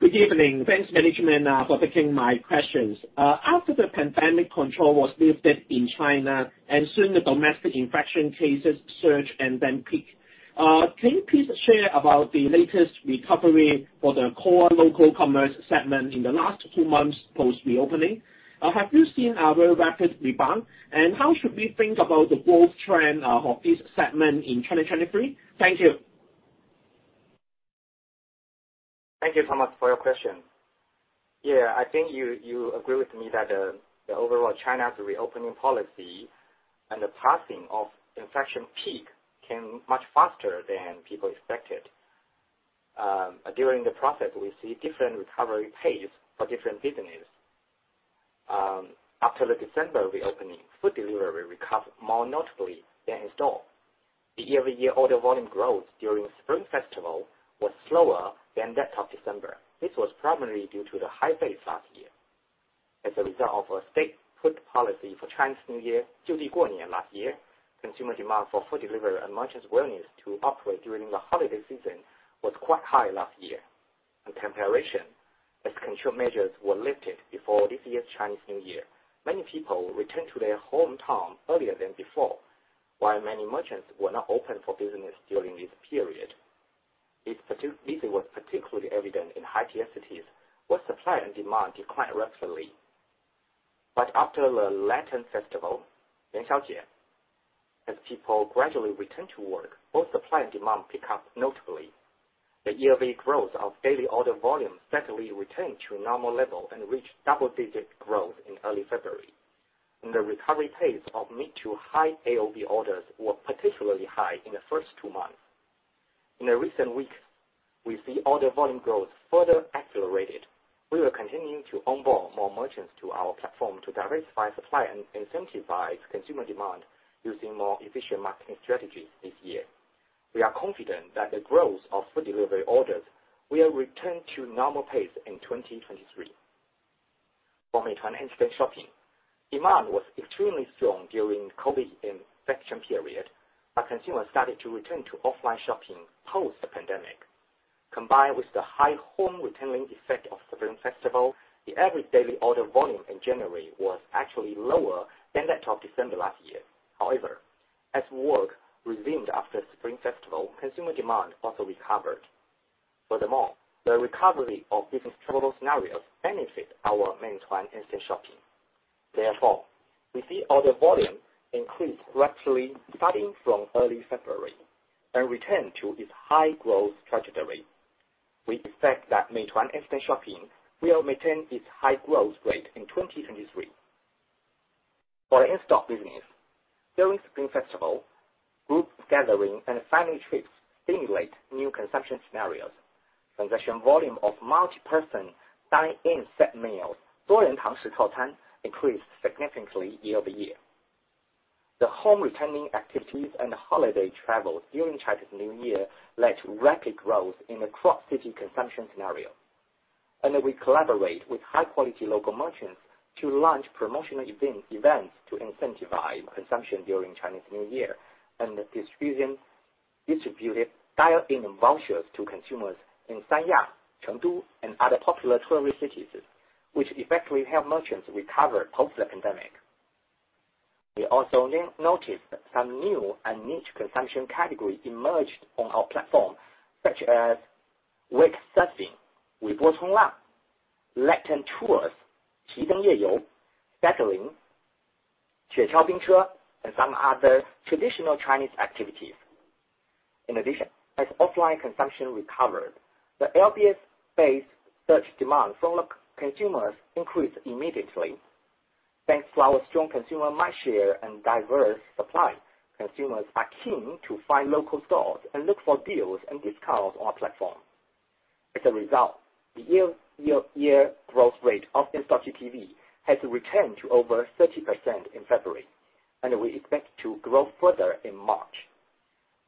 Good evening. Thanks management, for taking my questions. After the pandemic control was lifted in China and soon the domestic infection cases surge and then peak, can you please share about the latest recovery for the Core Local Commerce segment in the last two months post reopening? Have you seen a very rapid rebound? How should we think about the growth trend of this segment in 2023? Thank you. Thank you, Thomas, for your question. Yeah, I think you agree with me that the overall China's reopening policy and the passing of infection peak came much faster than people expected. During the process, we see different recovery pace for different business. After the December reopening, food delivery recovered more notably than in store. The year-over-year order volume growth during Spring Festival was slower than that of December. This was primarily due to the high base last year. As a result of a state food policy for Chinese New Year, last year, consumer demand for food delivery and merchants' willingness to operate during the holiday season was quite high last year. In comparison, as control measures were lifted before this year's Chinese New Year, many people returned to their hometown earlier than before, while many merchants were not open for business during this period. This was particularly evident in high-tier cities where supply and demand declined rapidly. After the Lantern Festival, Yuanxiao-jie, as people gradually returned to work, both supply and demand pick up notably. The year-over-year growth of daily order volumes steadily returned to a normal level and reached double digits growth in early February. The recovery pace of mid to high AOV orders were particularly high in the first two months. In the recent weeks, we see order volume growth further accelerated. We are continuing to onboard more merchants to our platform to diversify supply and incentivize consumer demand using more efficient marketing strategies this year. We are confident that the growth of food delivery orders will return to normal pace in 2023. For Meituan Instashopping, demand was extremely strong during COVID-19 infection period, but consumers started to return to offline shopping post the pandemic. Combined with the high home retaining effect of Spring Festival, the average daily order volume in January was actually lower than that of December last year. As work resumed after Spring Festival, consumer demand also recovered. The recovery of business travel scenarios benefit our Meituan Instashopping. We see order volume increased gradually starting from early February and returned to its high growth trajectory. We expect that Meituan Instashopping will maintain its high growth rate in 2023. For the In-store business, during Spring Festival, group gathering and family trips stimulate new consumption scenarios. Transaction volume of multi-person dine-in set meals increased significantly year-over-year. The home retaining activities and holiday travels during Chinese New Year led to rapid growth in the cross-city consumption scenario. We collaborate with high-quality local merchants to launch promotional events to incentivize consumption during Chinese New Year. We distributed dine-in vouchers to consumers in Sanya, Chengdu and other popular tourist cities, which effectively help merchants recover post the pandemic. We also noticed that some new and niche consumption category emerged on our platform, such as wake surfing, lantern tours, pedaling, and some other traditional Chinese activities. In addition, as offline consumption recovered, the LBS-based search demand from the consumers increased immediately. Thanks to our strong consumer mindshare and diverse supply, consumers are keen to find local stores and look for deals and discounts on our platform. As a result, the year-over-year growth rate of In-store GTV has returned to over 30% in February, and we expect to grow further in March.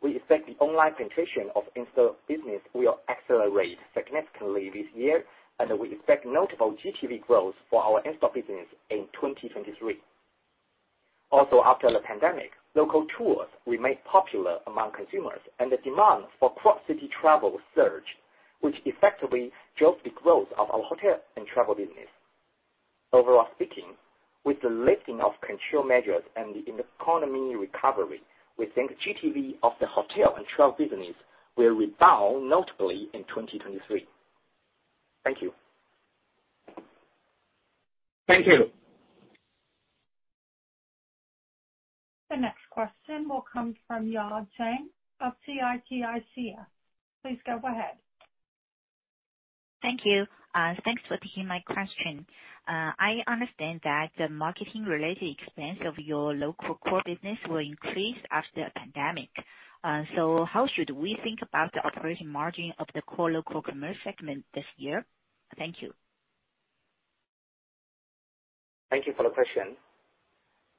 We expect the online penetration of In-store business will accelerate significantly this year, and we expect notable GTV growth for our In-store business in 2023. Also after the pandemic, local tours remained popular among consumers and the demand for cross-city travel surged, which effectively drove the growth of our hotel and travel business. Overall speaking, with the lifting of control measures and the economy recovery, we think GTV of the hotel and travel business will rebound notably in 2023. Thank you. Thank you. The next question will come from Yan Zhang of CITIC. Please go ahead. Thank you. Thanks for taking my question. I understand that the marketing-related expense of your local core business will increase after the pandemic. How should we think about the operating margin of the Core Local Commerce segment this year? Thank you. Thank you for the question.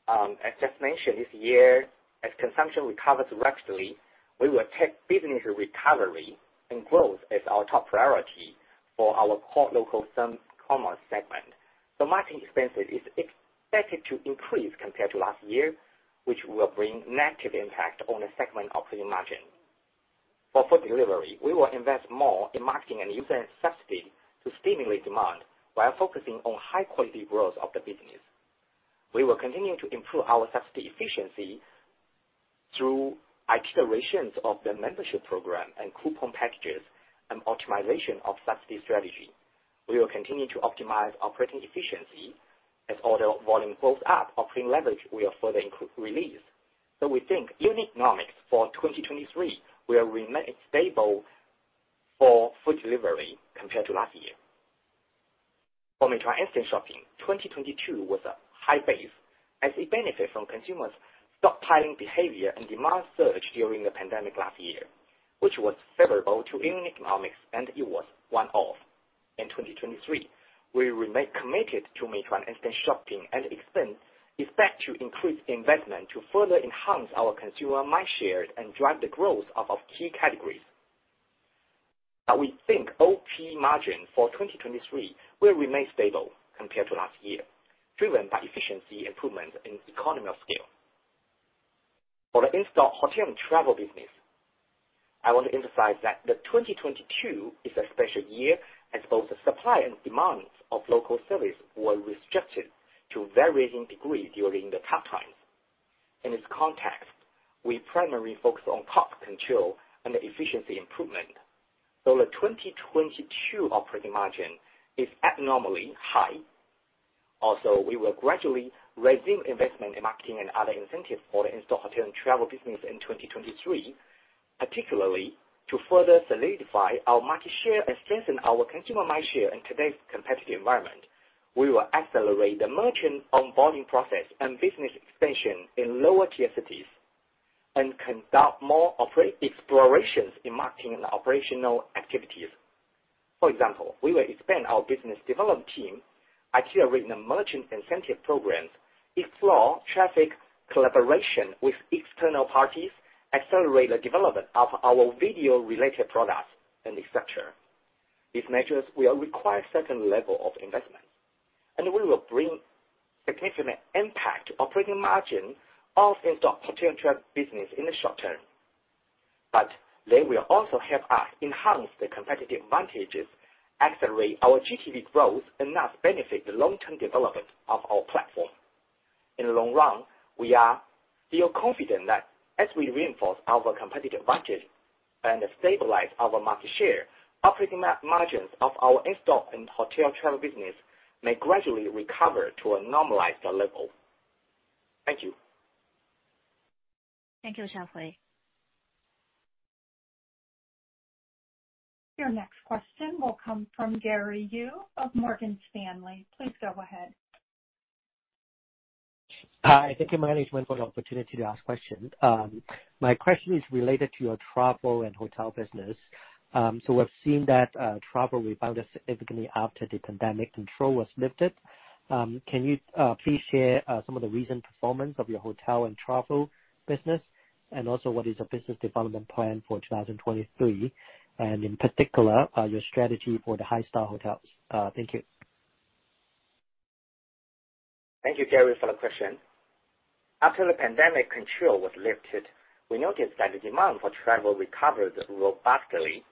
As just mentioned this year, as consumption recovers gradually, we will take business recovery and growth as our top priority for our Core Local Commerce segment. The marketing expenses is expected to increase compared to last year, which will bring negative impact on the segment operating margin. For food delivery, we will invest more in marketing and user subsidy to stimulate demand while focusing on high quality growth of the business. We will continue to improve our subsidy efficiency through iterations of the membership program and coupon packages and optimization of subsidy strategy. We will continue to optimize operating efficiency as order volume goes up, operating leverage will further increase. We think unit economics for 2023 will remain stable for food delivery compared to last year. For Meituan Instashopping, 2022 was a high base as a benefit from consumers' stockpiling behavior and demand surge during the pandemic last year, which was favorable to unit economics and it was one-off. In 2023, we remain committed to Meituan Instashopping and expense, expect to increase investment to further enhance our consumer mindshare and drive the growth of our key categories. We think OP margin for 2023 will remain stable compared to last year, driven by efficiency improvement and economy of scale. For the In-store hotel and travel business, I want to emphasize that the 2022 is a special year as both the supply and demand of local service were restricted to varying degree during the tough times. In this context, we primarily focus on cost control and efficiency improvement. The 2022 operating margin is abnormally high. We will gradually resume investment in marketing and other incentives for the in-store hotel and travel business in 2023, particularly to further solidify our market share and strengthen our consumer mindshare in today's competitive environment. We will accelerate the merchant onboarding process and business expansion in lower tier cities and conduct more explorations in marketing and operational activities. For example, we will expand our business development team, merchant incentive programs, explore traffic collaboration with external parties, accelerate the development of our video-related products, and et cetera. These measures will require certain level of investment, we will bring significant impact to operating margin of in-store hotel travel business in the short term. They will also help us enhance the competitive advantages, accelerate our GTV growth, and thus benefit the long-term development of our platform. In the long run, we are still confident that as we reinforce our competitive advantage and stabilize our market share, operating margins of our in-store and hotel travel business may gradually recover to a normalized level. Thank you. Thank you, Shaohui. Your next question will come from Gary Yu of Morgan Stanley. Please go ahead. Hi. Thank you, management, for the opportunity to ask questions. My question is related to your travel and hotel business. We've seen that travel rebounded significantly after the pandemic control was lifted. Can you please share some of the recent performance of your hotel and travel business, and also what is your business development plan for 2023, and in particular, your strategy for the high-star hotels? Thank you. Thank you, Gary, for the question. After the pandemic control was lifted, we noticed that the demand for travel recovered robustly.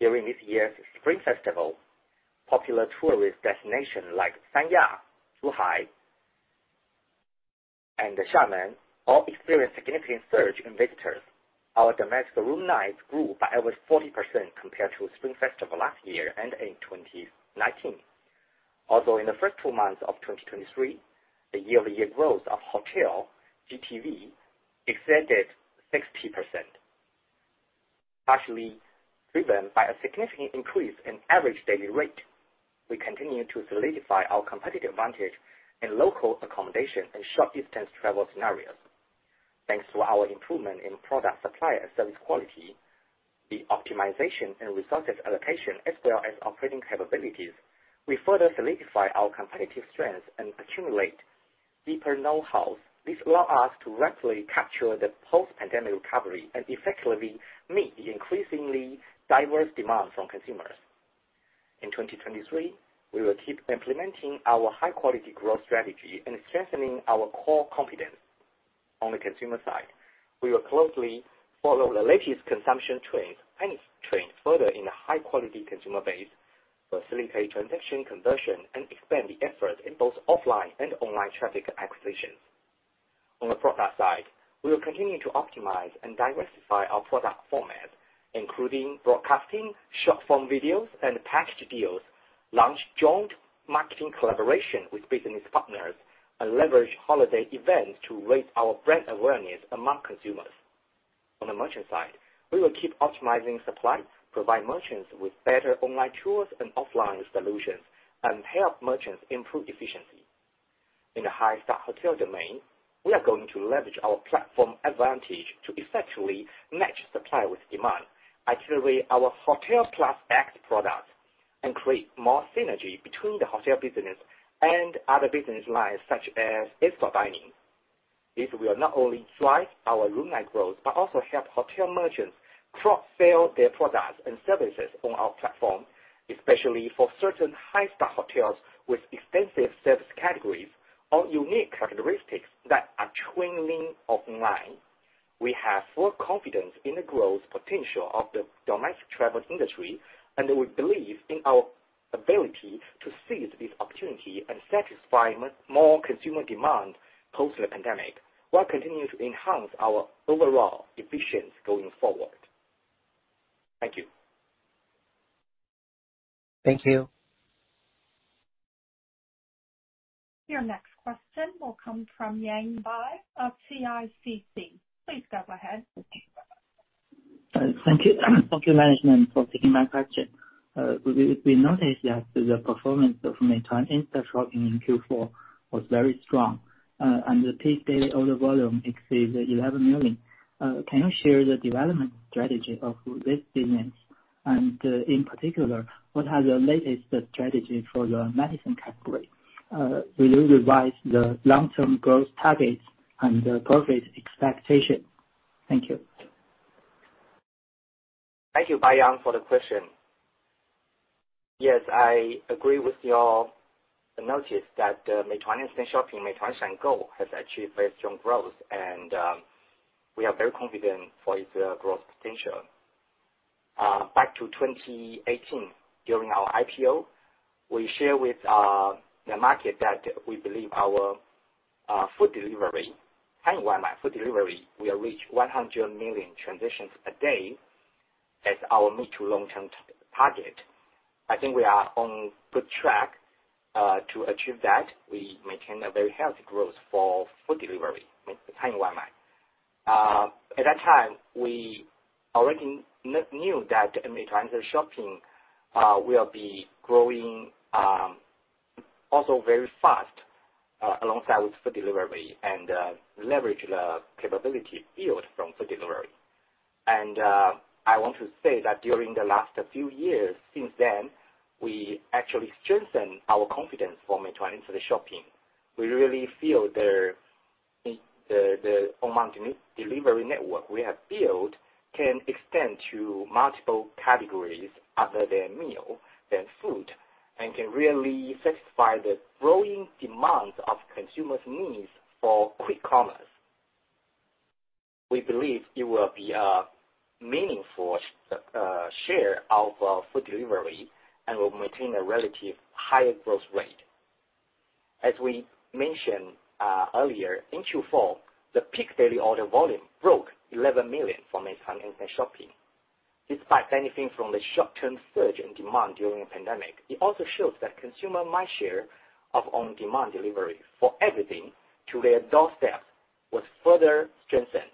During this year's Spring Festival, popular tourist destinations like Sanya, Zhuhai, and Xiamen all experienced significant surge in visitors. Our domestic room nights grew by over 40% compared to Spring Festival last year and in 2019. Also, in the first 2 months of 2023, the year-over-year growth of hotel GTV exceeded 60%, partially driven by a significant increase in average daily rate. We continue to solidify our competitive advantage in local accommodation and short-distance travel scenarios. Thanks to our improvement in product supply and service quality, the optimization and resources allocation, as well as operating capabilities, we further solidify our competitive strengths and accumulate deeper know-hows. This allow us to rapidly capture the post-pandemic recovery and effectively meet the increasingly diverse demands from consumers. In 2023, we will keep implementing our high quality growth strategy and strengthening our core competence. On the consumer side, we will closely follow the latest consumption trends and trends further in a high-quality consumer base, facilitate transaction conversion, and expand the effort in both offline and online traffic acquisitions. On the product side, we will continue to optimize and diversify our product format, including broadcasting, short-form videos, and packaged deals, launch joint marketing collaboration with business partners, and leverage holiday events to raise our brand awareness among consumers. On the merchant side, we will keep optimizing supply, provide merchants with better online tools and offline solutions, and help merchants improve efficiency. In the high-star hotel domain, we are going to leverage our platform advantage to effectively match supply with demand, accelerate our Hotel + X product, and create more synergy between the hotel business and other business lines such as. This will not only drive our room night growth, but also help hotel merchants cross-sell their products and services on our platform, especially for certain high-star hotels with extensive service categories or unique characteristics that are trending online. We have full confidence in the growth potential of the domestic travel industry, and we believe in our ability to seize this opportunity and satisfy more consumer demand post the pandemic, while continuing to enhance our overall efficiency going forward. Thank you. Thank you. Your next question will come from Yang Bai of CICC. Please go ahead. Thank you, management, for taking my question. We noticed that the performance of Meituan Instashopping in Q4 was very strong, the peak daily order volume exceeds 11 million. Can you share the development strategy of this business? In particular, what are the latest strategy for your medicine category? Will you revise the long-term growth targets and the profit expectation? Thank you. Thank you, Bai Yang, for the question. Yes, I agree with your notice that Meituan Instashopping, Meituan Shangou has achieved very strong growth and we are very confident for its growth potential. Back to 2018, during our IPO, we share with the market that we believe our food delivery, Meituan Waimai food delivery will reach 100 million transitions a day as our mid to long-term target. I think we are on good track to achieve that. We maintain a very healthy growth for food delivery with Meituan Waimai. At that time, we already knew that Meituan Instashopping will be growing very fast alongside with food delivery and leverage the capability yield from food delivery. I want to say that during the last few years since then, we actually strengthened our confidence for Meituan Instashopping. We really feel the on-demand delivery network we have built can extend to multiple categories other than meal, than food, and can really satisfy the growing demand of consumers' needs for quick commerce. We believe it will be a meaningful share of food delivery and will maintain a relative higher growth rate. As we mentioned earlier, in Q4, the peak daily order volume broke 11 million for Meituan Instashopping. Despite anything from the short-term surge in demand during the pandemic, it also shows that consumer mindshare of on-demand delivery for everything to their doorsteps was further strengthened.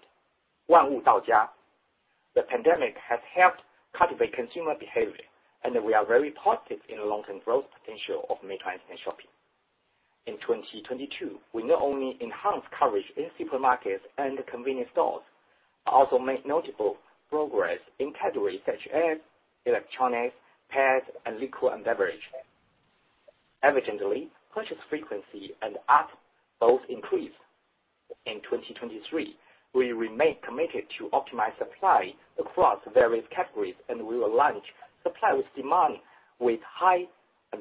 The pandemic has helped cultivate consumer behavior, and we are very positive in the long-term growth potential of Meituan Instashopping. In 2022, we not only enhanced coverage in supermarkets and convenience stores, but also made notable progress in categories such as electronics, pets, and liquor and beverage. Evidently, purchase frequency and app both increased. In 2023, we remain committed to optimize supply across various categories, and we will launch supply with demand with high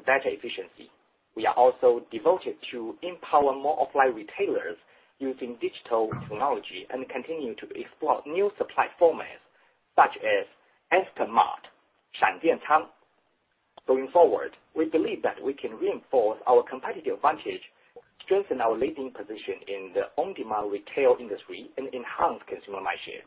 data efficiency. We are also devoted to empower more offline retailers using digital technology and continue to explore new supply formats such as S-Mart. Going forward, we believe that we can reinforce our competitive advantage, strengthen our leading position in the on-demand retail industry, and enhance consumer mindshare.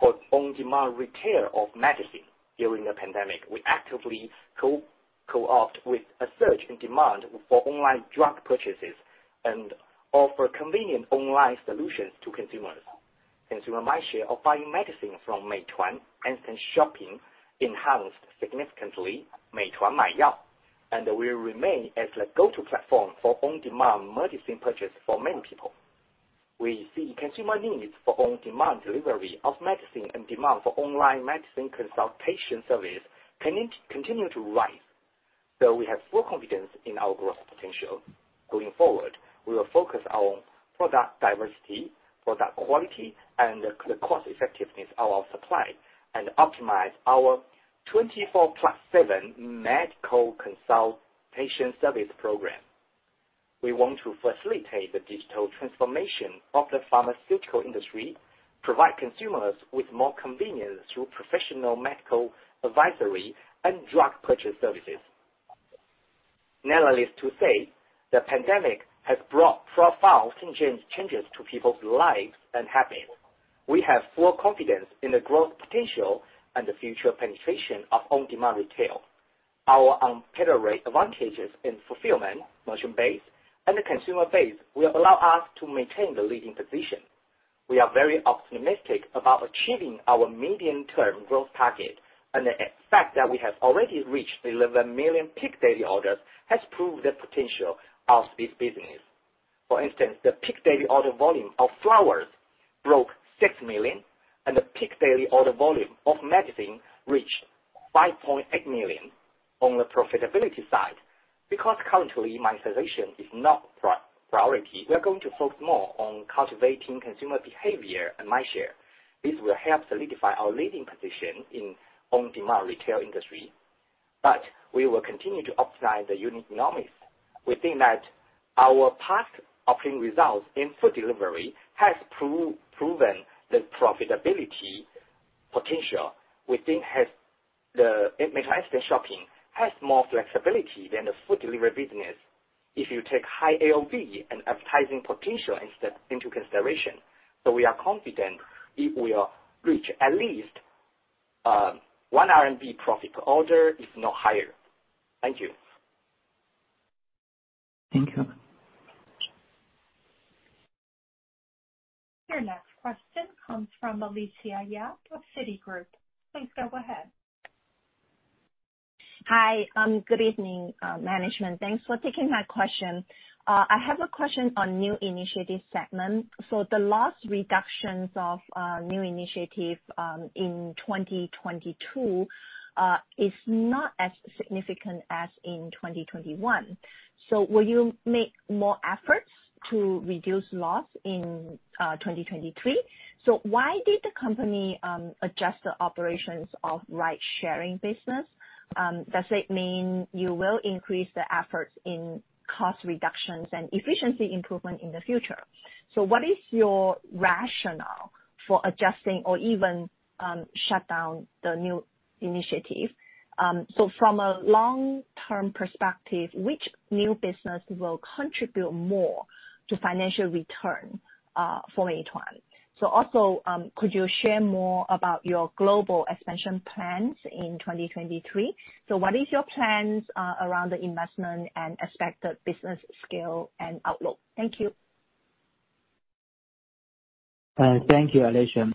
For on-demand retail of medicine during the pandemic, we actively co-coopt with a surge in demand for online drug purchases and offer convenient online solutions to consumers. Consumer mindshare of buying medicine from Meituan Instashopping enhanced significantly Meituan Maiyao, and will remain as the go-to platform for on-demand medicine purchase for many people. We see consumer needs for on-demand delivery of medicine and demand for online medicine consultation service continue to rise. We have full confidence in our growth potential. Going forward, we will focus on product diversity, product quality, and the cost effectiveness of our supply and optimize our 24/7 medical consultation service program. We want to facilitate the digital transformation of the pharmaceutical industry, provide consumers with more convenience through professional medical advisory and drug purchase services. Needless to say, the pandemic has brought profound changes to people's lives and habits. We have full confidence in the growth potential and the future penetration of on-demand retail. Our unparalleled advantages in fulfillment, merchant base, and the consumer base will allow us to maintain the leading position. We are very optimistic about achieving our medium-term growth target, and the fact that we have already reached 11 million peak daily orders has proved the potential of this business. For instance, the peak daily order volume of flowers broke 6 million, and the peak daily order volume of medicine reached 5.8 million. On the profitability side, because currently monetization is not priority, we are going to focus more on cultivating consumer behavior and mindshare. This will help solidify our leading position in on-demand retail industry. We will continue to optimize the unit economics. We think that our past operating results in food delivery has proven the profitability potential we think has the Meituan Instashopping has more flexibility than the food delivery business if you take high AOV and advertising potential instead into consideration. We are confident it will reach at least, 1 RMB profit per order, if not higher. Thank you. Thank you. Your next question comes from Alicia Yap of Citigroup. Please go ahead. Hi. Good evening, management. Thanks for taking my question. I have a question on new initiatives segment. The loss reductions of new initiative in 2022 is not as significant as in 2021. Will you make more efforts to reduce loss in 2023? Why did the company adjust the operations of ridesharing business? Does it mean you will increase the efforts in cost reductions and efficiency improvement in the future? What is your rationale for adjusting or even shut down the new initiative? From a long-term perspective, which new business will contribute more to financial return for Meituan? Also, could you share more about your global expansion plans in 2023? What is your plans around the investment and expected business scale and outlook? Thank you. Thank you, Alicia.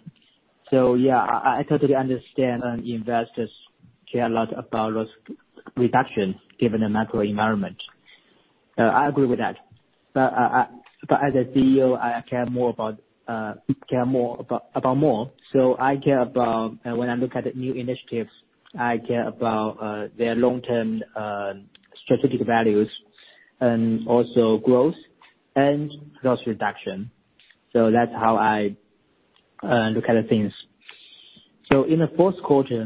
Yeah, I totally understand investors care a lot about risk reduction given the macro environment. I agree with that. But as a CEO, I care more about more. I care about, when I look at new initiatives, I care about their long-term strategic values and also growth and loss reduction. That's how I look at things. In the fourth quarter,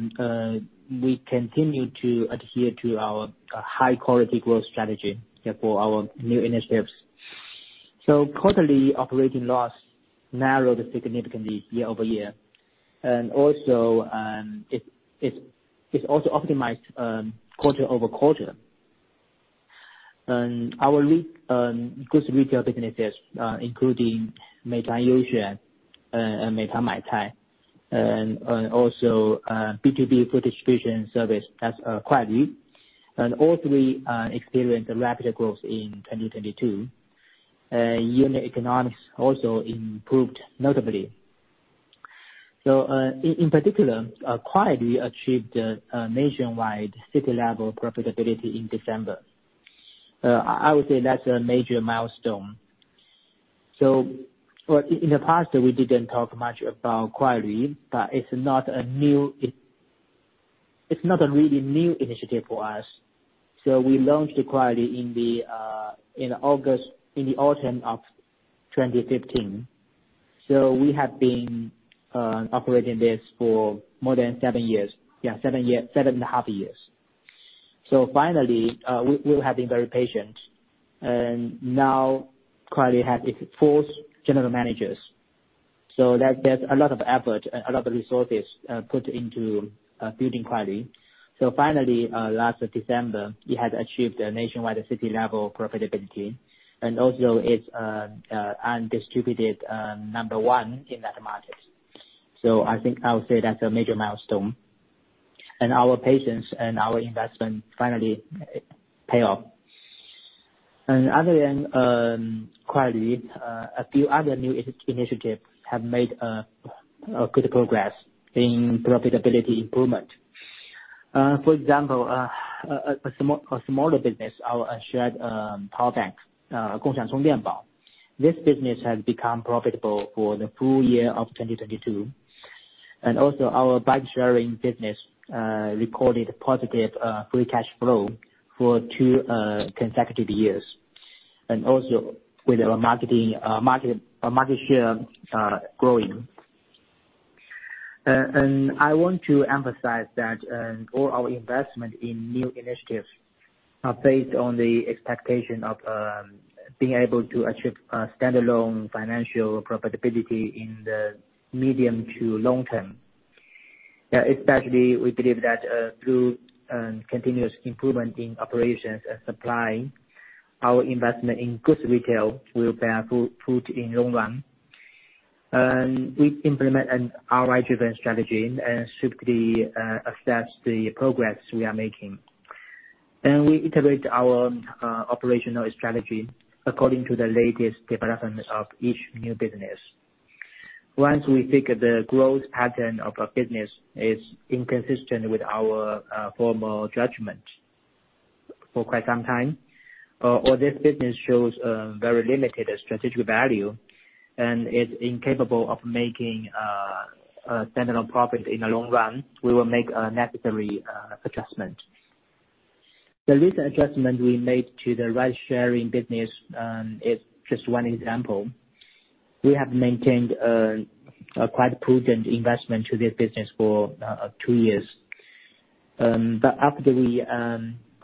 we continued to adhere to our high quality growth strategy for our new initiatives. Quarterly operating loss narrowed significantly year-over-year. Also, it's also optimized quarter-over-quarter. Our lead goods retail businesses, including Meituan Youxuan, and Meituan Maicai, and also B2B food distribution service, that's Kuailv. All three experienced rapid growth in 2022. Unit economics also improved notably. In particular, Kuailv achieved a nationwide city-level profitability in December. I would say that's a major milestone. In the past we didn't talk much about Kuailv, but it's not a really new initiative for us. We launched Kuailv in August, in the autumn of 2015. We have been operating this for more than 7 years. Yeah, 7 years, 7.5 years. Finally, we have been very patient. Now Kuailv has its 4th general managers. That's a lot of effort, a lot of resources put into building Kuailv. Finally, last December, it has achieved a nationwide city-level profitability. It's undistributed 1 in that market. I think I'll say that's a major milestone. Our patience and our investment finally pay off. Other than Kuailv, a few other new initiative have made good progress in profitability improvement. For example, a smaller business, our shared power banks, Gongxiang Chongdianbao. This business has become profitable for the full year of 2022. Our bike-sharing business recorded positive free cash flow for 2 consecutive years. With our marketing, market share growing. I want to emphasize that all our investment in new initiatives are based on the expectation of being able to achieve standalone financial profitability in the medium to long term. Especially we believe that through continuous improvement in operations and supply, our investment in goods retail will bear fruit in long run. We implement an ROI-driven strategy and strictly assess the progress we are making. We integrate our operational strategy according to the latest development of each new business. Once we think the growth pattern of a business is inconsistent with our formal judgment for quite some time, or this business shows very limited strategic value and is incapable of making standalone profit in the long run, we will make a necessary adjustment. The recent adjustment we made to the ride-sharing business is just one example. We have maintained a quite prudent investment to this business for two years. But after we,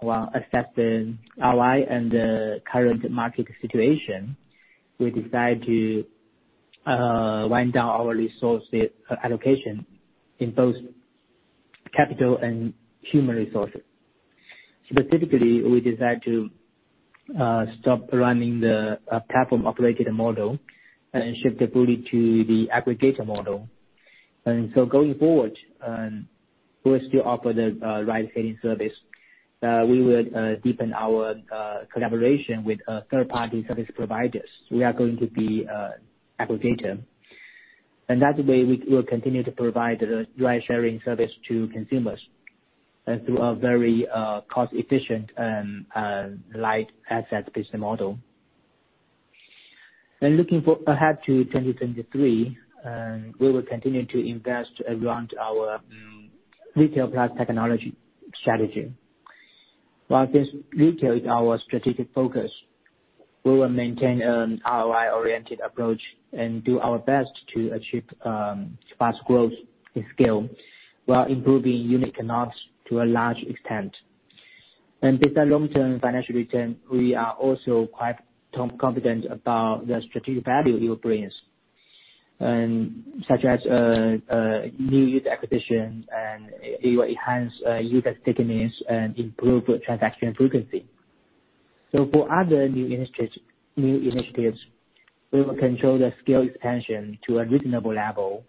well, assessed the ROI and the current market situation, we decided to wind down our resource allocation in both capital and human resources. Specifically, we decided to stop running the platform-operated model and shift fully to the aggregator model. Going forward, we will still offer the ride-hailing service. We will deepen our collaboration with third-party service providers. We are going to be aggregator. That way we will continue to provide the ride-sharing service to consumers through a very cost-efficient and light asset business model. When looking for ahead to 2023, we will continue to invest around our retail plus technology strategy. While this retail is our strategic focus, we will maintain an ROI-oriented approach and do our best to achieve fast growth in scale while improving unit economics to a large extent. With the long-term financial return, we are also quite confident about the strategic value it will bring us, such as new user acquisition, and it will enhance user stickiness and improve transaction frequency. For other new initiatives, we will control the scale expansion to a reasonable level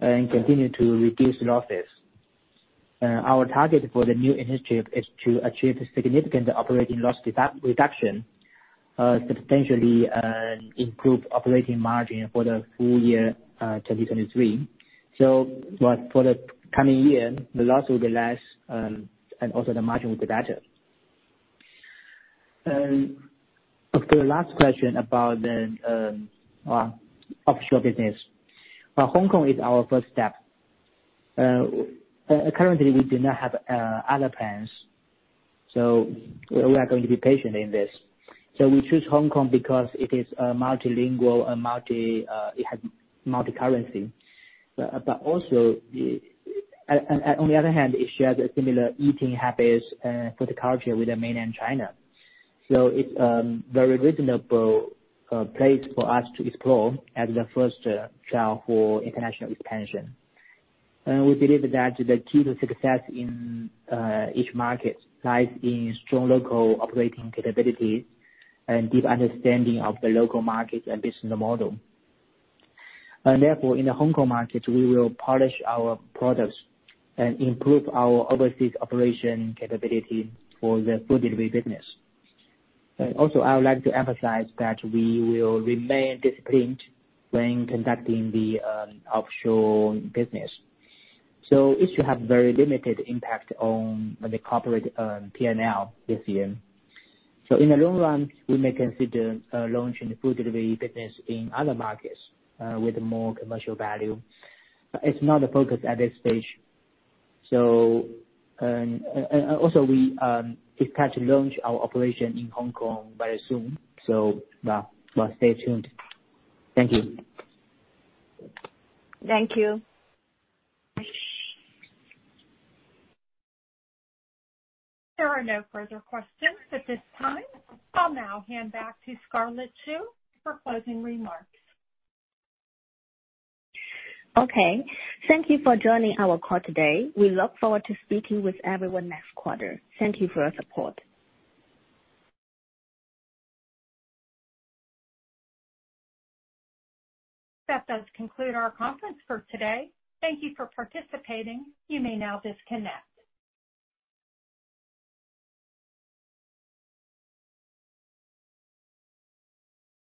and continue to reduce losses. Our target for the new initiative is to achieve a significant operating loss reduction, substantially improve operating margin for the full year 2023. But for the coming year, the loss will be less, and also the margin will be better. The last question about the offshore business. Hong Kong is our first step. Currently, we do not have other plans. We are going to be patient in this. We choose Hong Kong because it is a multilingual and multi-currency. On the other hand, it shares a similar eating habits, food culture with the Mainland China. It's very reasonable place for us to explore as the first trial for international expansion. We believe that the key to success in each market lies in strong local operating capabilities and deep understanding of the local market and business model. In the Hong Kong market, we will polish our products and improve our overseas operation capability for the food delivery business. Also, I would like to emphasize that we will remain disciplined when conducting the offshore business. It should have very limited impact on the corporate P&L this year. In the long run, we may consider launching food delivery business in other markets with more commercial value, but it's not a focus at this stage. And also we expect to launch our operation in Hong Kong very soon. Yeah, well, stay tuned. Thank you. Thank you. There are no further questions at this time. I'll now hand back to Scarlett Xu for closing remarks. Okay. Thank you for joining our call today. We look forward to speaking with everyone next quarter. Thank you for your support. That does conclude our conference for today. Thank you for participating. You may now disconnect.